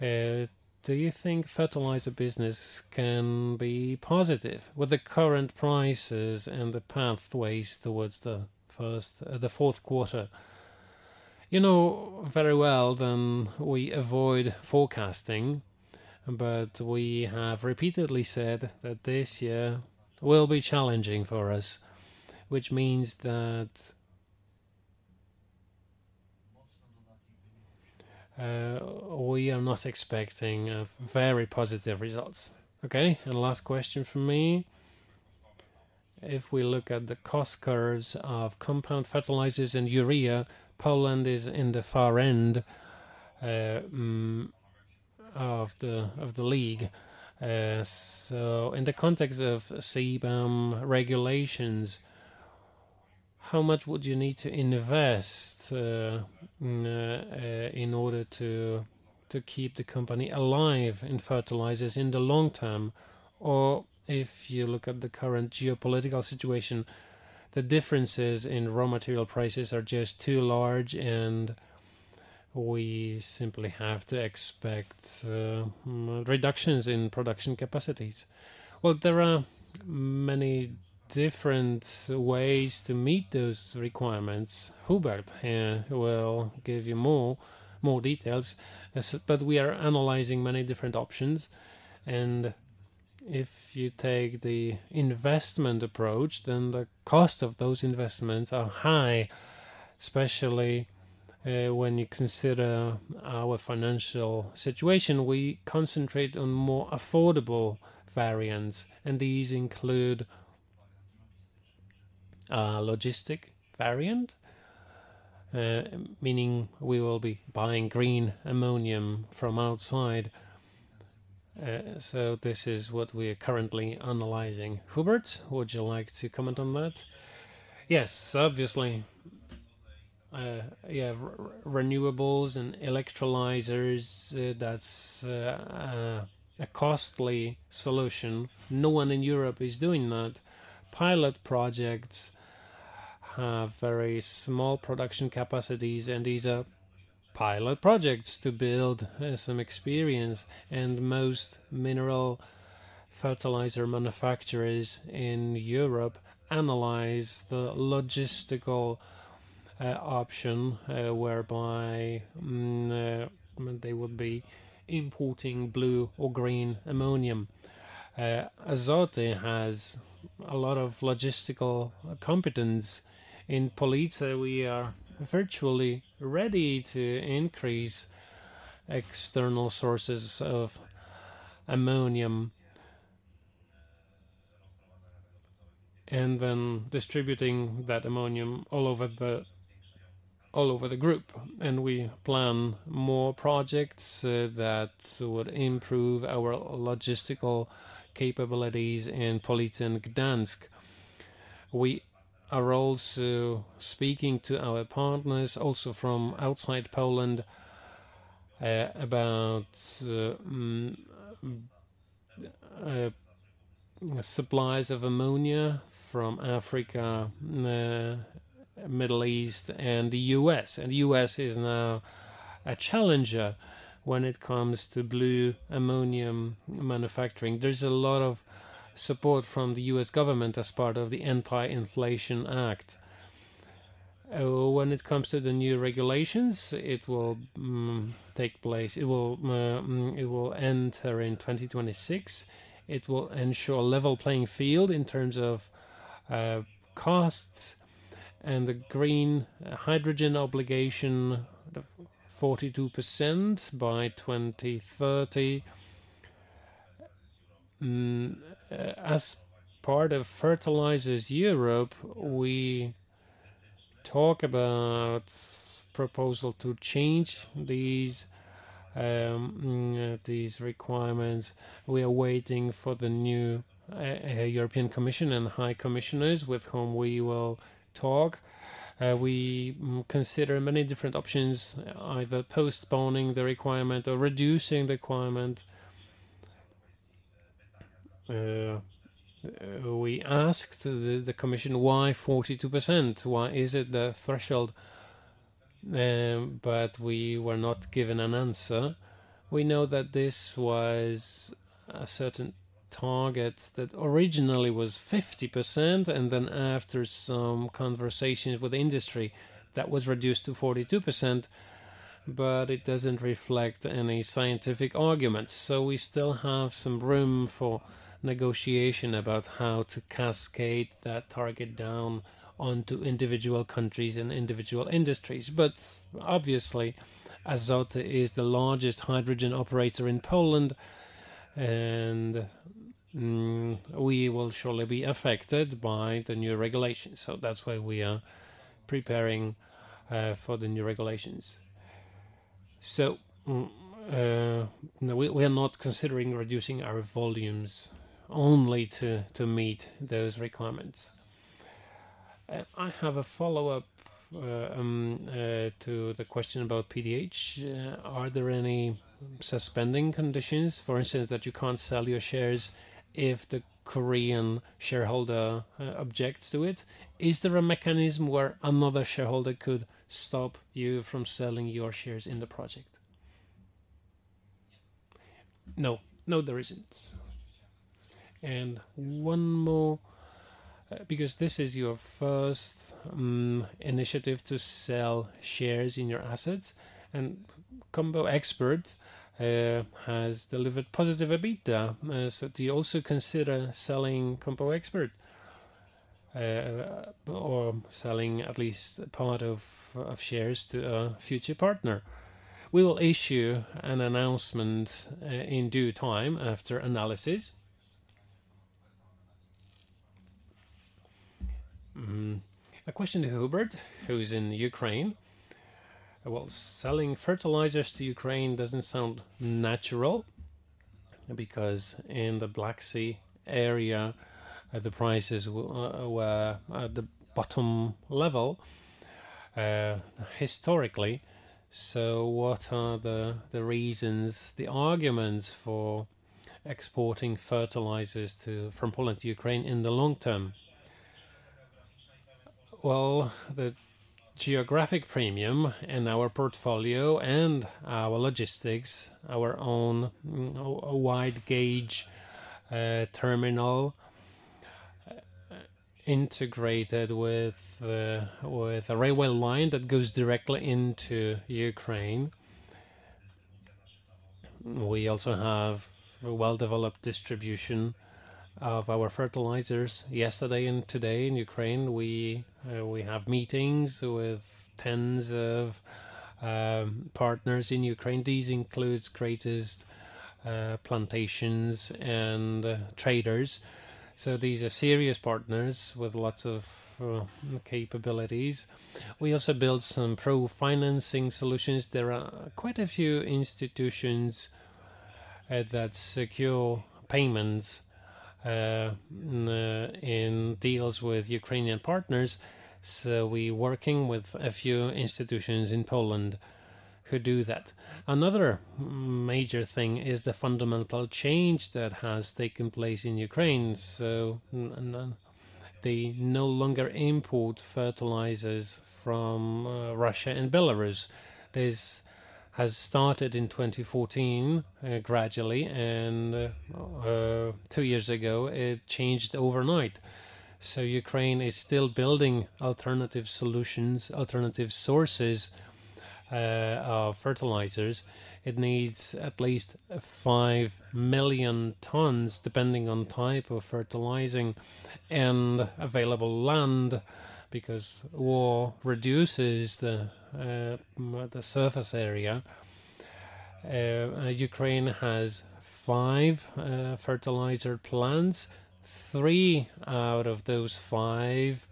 Speaker 6: do you think fertilizer business can be positive with the current prices and the pathways towards the first, the fourth quarter?
Speaker 3: You know very well that we avoid forecasting, but we have repeatedly said that this year will be challenging for us, which means that, we are not expecting, very positive results.
Speaker 6: Okay, and last question from me: if we look at the cost curves of compound fertilizers and urea, Poland is in the far end, of the league. So in the context of CBAM regulations, how much would you need to invest, in order to keep the company alive in fertilizers in the long term? If you look at the current geopolitical situation, the differences in raw material prices are just too large, and we simply have to expect reductions in production capacities.
Speaker 3: There are many different ways to meet those requirements. Hubert will give you more details, but we are analyzing many different options, and if you take the investment approach, then the cost of those investments are high, especially when you consider our financial situation. We concentrate on more affordable variants, and these include logistic variant, meaning we will be buying green ammonia from outside. This is what we are currently analyzing. Hubert, would you like to comment on that?
Speaker 4: Yes, obviously, you have renewables and electrolyzers, that's a costly solution. No one in Europe is doing that. Pilot projects have very small production capacities, and these are pilot projects to build some experience, and most mineral fertilizer manufacturers in Europe analyze the logistical option, whereby they would be importing blue or green ammonia. Azoty has a lot of logistical competence. In Police, we are virtually ready to increase external sources of ammonia, and then distributing that ammonia all over the group, and we plan more projects that would improve our logistical capabilities in Police and Gdańsk. We are also speaking to our partners, also from outside Poland, about supplies of ammonia from Africa, Middle East, and the U.S., and the U.S. is now a challenger when it comes to blue ammonia manufacturing. There's a lot of support from the U.S. government as part of the Inflation Reduction Act. When it comes to the new regulations, it will take place. It will enter in 2026. It will ensure a level playing field in terms of costs and the green hydrogen obligation, the 42% by 2030. As part of Fertilizers Europe, we talk about proposal to change these requirements. We are waiting for the new European Commission and Commissioners, with whom we will talk. We consider many different options, either postponing the requirement or reducing the requirement. We asked the commission, why 42%? Why is it the threshold? But we were not given an answer. We know that this was a certain target that originally was 50%, and then after some conversations with the industry, that was reduced to 42%, but it doesn't reflect any scientific arguments. So we still have some room for negotiation about how to cascade that target down onto individual countries and individual industries. But obviously, Azoty is the largest hydrogen operator in Poland, and we will surely be affected by the new regulations, so that's why we are preparing for the new regulations. No, we are not considering reducing our volumes only to meet those requirements. I have a follow-up to the question about PDH. Are there any suspending conditions, for instance, that you can't sell your shares if the Korean shareholder objects to it? Is there a mechanism where another shareholder could stop you from selling your shares in the project? No. No, there isn't. One more, because this is your first initiative to sell shares in your assets, and Compo Expert has delivered positive EBITDA. So do you also consider selling Compo Expert, or selling at least part of shares to a future partner? We will issue an announcement in due time after analysis. A question to Hubert, who is in Ukraine. Well, selling fertilizers to Ukraine doesn't sound natural, because in the Black Sea area, the prices were at the bottom level historically. So what are the reasons, the arguments for exporting fertilizers to...from Poland to Ukraine in the long term? Well, the geographic premium in our portfolio and our logistics, our own wide gauge terminal, integrated with the railway line that goes directly into Ukraine. We also have a well-developed distribution of our fertilizers. Yesterday and today in Ukraine, we have meetings with tens of partners in Ukraine. These includes greatest plantations and traders, so these are serious partners with lots of capabilities. We also build some pre-financing solutions. There are quite a few institutions that secure payments in deals with Ukrainian partners, so we working with a few institutions in Poland who do that. Another major thing is the fundamental change that has taken place in Ukraine, so they no longer import fertilizers from Russia and Belarus. This has started in twenty fourteen gradually, and two years ago, it changed overnight, so Ukraine is still building alternative solutions, alternative sources of fertilizers. It needs at least 5 million tonnes, depending on type of fertilizer and available land, because war reduces the surface area. Ukraine has five fertilizer plants. Three out of those five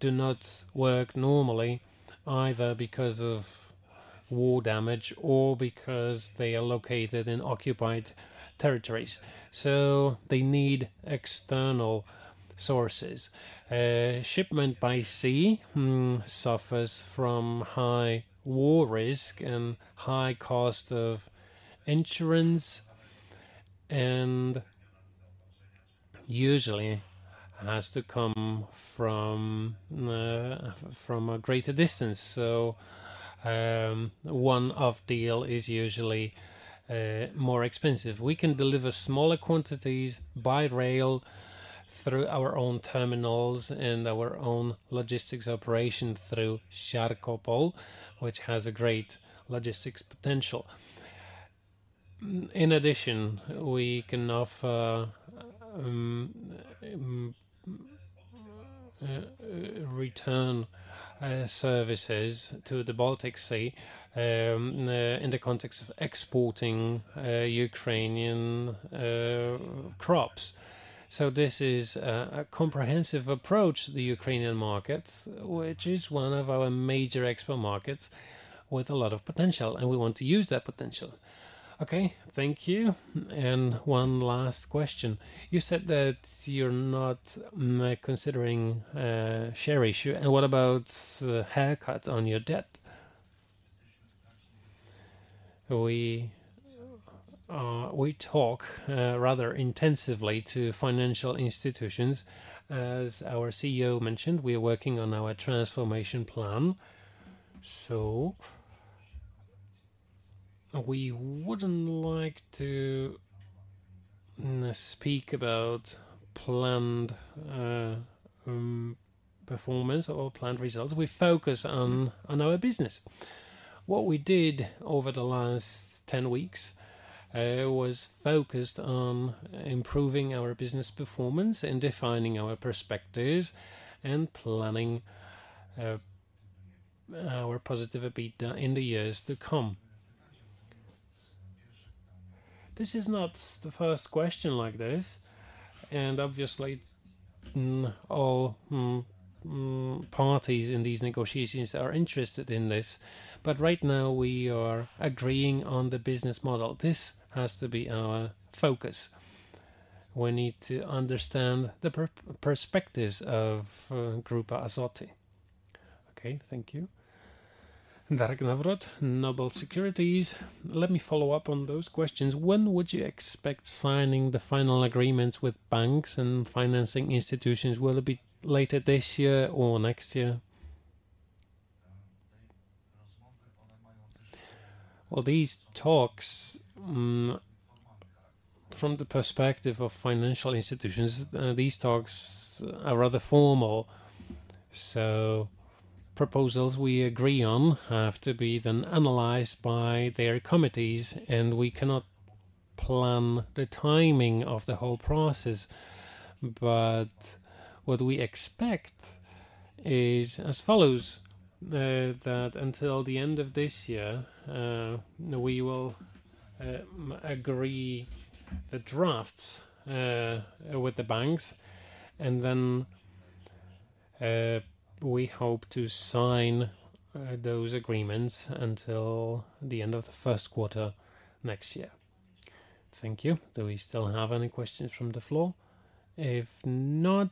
Speaker 4: do not work normally, either because of war damage or because they are located in occupied territories, so they need external sources. Shipment by sea suffers from high war risk and high cost of insurance, and usually has to come from a greater distance, so one-off deal is usually more expensive. We can deliver smaller quantities by rail through our own terminals and our own logistics operation through Kharkiv, which has a great logistics potential. In addition, we can offer return services to the Baltic Sea in the context of exporting Ukrainian crops, so this is a comprehensive approach to the Ukrainian market, which is one of our major export markets with a lot of potential, and we want to use that potential.
Speaker 6: Okay, thank you. And one last question: You said that you're not considering share issue, and what about the haircut on your debt?
Speaker 3: We talk rather intensively to financial institutions. As our CEO mentioned, we are working on our transformation plan, so we wouldn't like to speak about planned performance or planned results. We focus on our business. What we did over the last ten weeks was focused on improving our business performance and defining our perspectives, and planning our positive EBITDA in the years to come. This is not the first question like this, and obviously all parties in these negotiations are interested in this, but right now we are agreeing on the business model. This has to be our focus. We need to understand the perspectives of Grupa Azoty.
Speaker 6: Okay, thank you. Let me follow up on those questions. When would you expect signing the final agreements with banks and financing institutions? Will it be later this year or next year?
Speaker 3: Well, these talks from the perspective of financial institutions, these talks are rather formal, so proposals we agree on have to be then analyzed by their committees, and we cannot plan the timing of the whole process. But what we expect is as follows: that until the end of this year, we will agree the drafts with the banks, and then we hope to sign those agreements until the end of the first quarter next year.
Speaker 1: Thank you. Do we still have any questions from the floor? If not,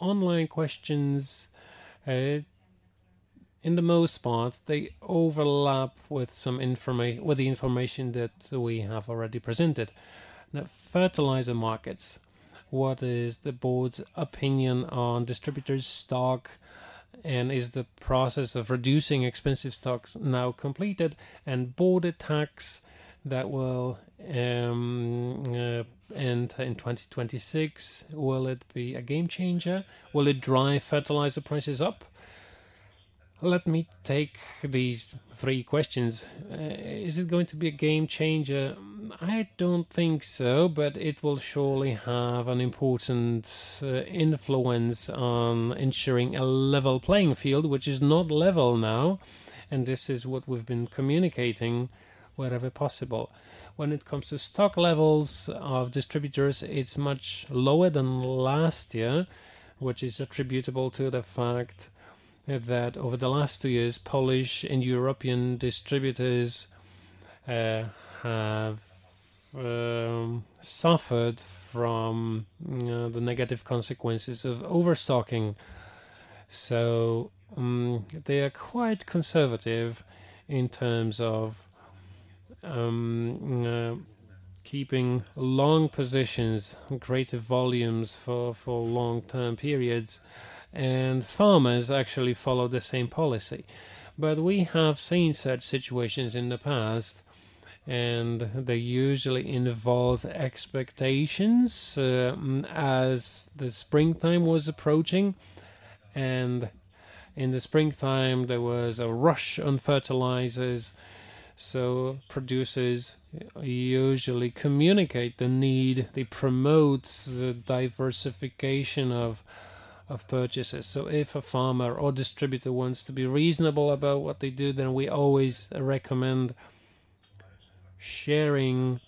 Speaker 1: online questions, in the most part, they overlap with some information that we have already presented. Now, fertilizer markets, what is the board's opinion on distributors' stock, and is the process of reducing expensive stocks now completed? And border tax that will end in 2026, will it be a game changer? Will it drive fertilizer prices up?
Speaker 4: Let me take these three questions. Is it going to be a game changer? I don't think so, but it will surely have an important influence on ensuring a level playing field, which is not level now, and this is what we've been communicating wherever possible. When it comes to stock levels of distributors, it's much lower than last year, which is attributable to the fact that over the last two years, Polish and European distributors have suffered from the negative consequences of overstocking. So, they are quite conservative in terms of keeping long positions, greater volumes for long-term periods, and farmers actually follow the same policy. But we have seen such situations in the past, and they usually involve expectations as the springtime was approaching, and in the springtime, there was a rush on fertilizers, so producers usually communicate the need. They promote the diversification of purchases. If a farmer or distributor wants to be reasonable about what they do, then we always recommend sharing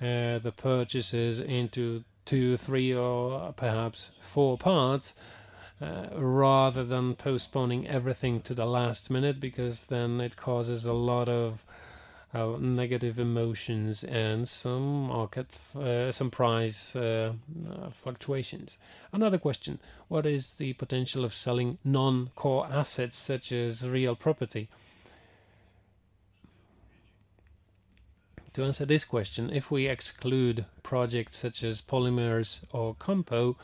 Speaker 4: the purchases into two, three, or perhaps four parts rather than postponing everything to the last minute, because then it causes a lot of negative emotions and some market, some price fluctuations. Another question: What is the potential of selling non-core assets, such as real property?
Speaker 2: To answer this question, if we exclude projects such as polymers or Compo,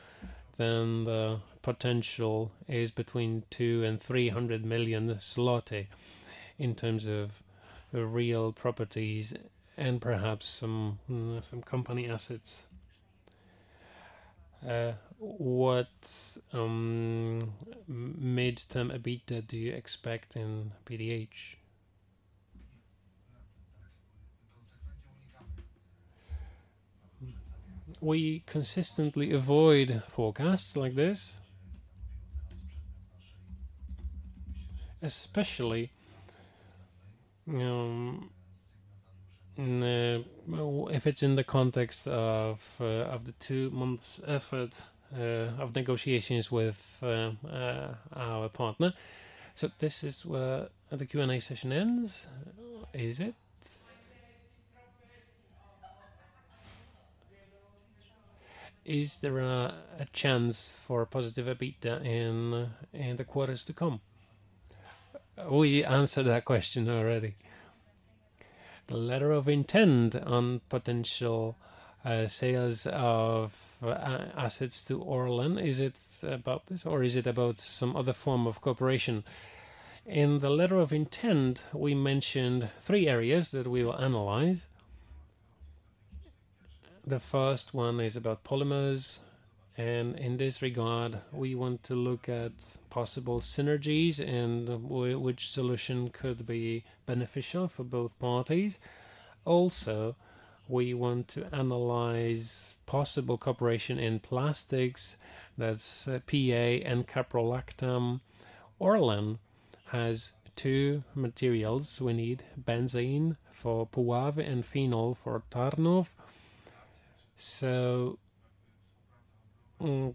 Speaker 2: then the potential is between 200 million and 300 million zloty in terms of real properties and perhaps some company assets. What midterm EBITDA do you expect in PDH?
Speaker 3: We consistently avoid forecasts like this, especially if it's in the context of the two months' effort of negotiations with our partner. So this is where the Q&A session ends. Is it? Is there a chance for a positive EBITDA in the quarters to come? We answered that question already. The letter of intent on potential sales of assets to Orlen, is it about this, or is it about some other form of cooperation?
Speaker 2: In the letter of intent, we mentioned three areas that we will analyze. The first one is about polymers, and in this regard, we want to look at possible synergies and which solution could be beneficial for both parties. Also, we want to analyze possible cooperation in plastics. That's PA and caprolactam. Orlen has two materials we need, benzene for Puławy and phenol for Tarnów. So,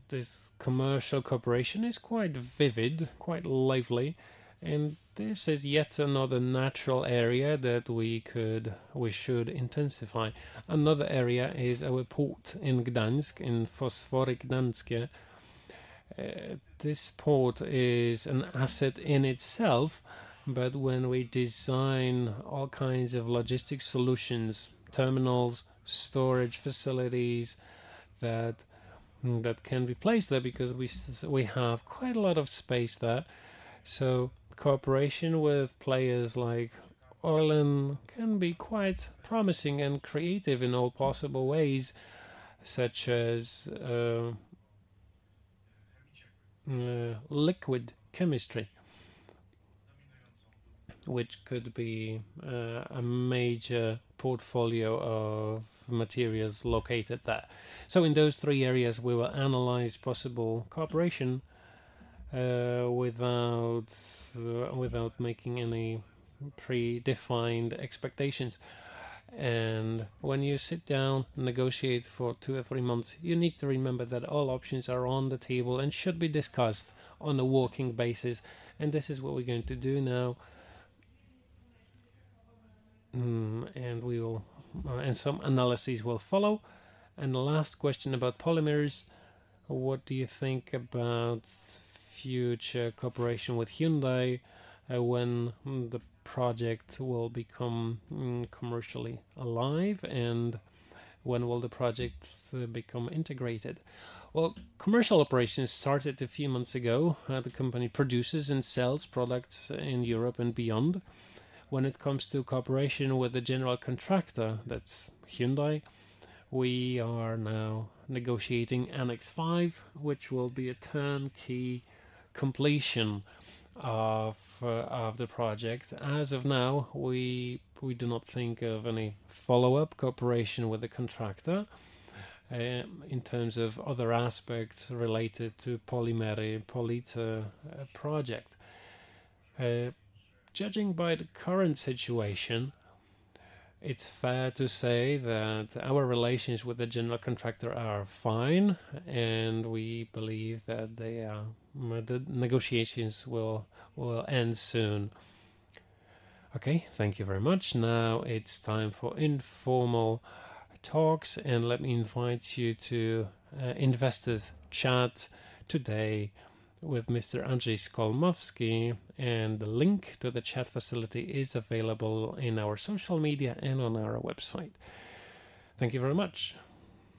Speaker 2: this commercial cooperation is quite vivid, quite lively, and this is yet another natural area that we could, we should intensify. Another area is our port in Gdańsk, in Fosfory Gdańskie. This port is an asset in itself, but when we design all kinds of logistic solutions, terminals, storage facilities, that can be placed there because we have quite a lot of space there. So cooperation with players like Orlen can be quite promising and creative in all possible ways, such as, liquid chemistry, which could be, a major portfolio of materials located there. So in those three areas, we will analyze possible cooperation, without making any predefined expectations. And when you sit down and negotiate for two or three months, you need to remember that all options are on the table and should be discussed on a working basis, and this is what we're going to do now. And we will... and some analyses will follow. The last question about polymers: What do you think about future cooperation with Hyundai, when the project will become commercially alive, and when will the project become integrated?
Speaker 5: Commercial operations started a few months ago. The company produces and sells products in Europe and beyond. When it comes to cooperation with the general contractor, that's Hyundai, we are now negotiating Annex Five, which will be a turnkey completion of the project. As of now, we do not think of any follow-up cooperation with the contractor, in terms of other aspects related to Polimery Police project. Judging by the current situation, it's fair to say that our relations with the general contractor are fine, and we believe that they are the negotiations will end soon.
Speaker 2: Okay. Thank you very much. Now it's time for informal talks, and let me invite you to investors chat today with Mr. Andrzej Skolmowski, and the link to the chat facility is available in our social media and on our website. Thank you very much!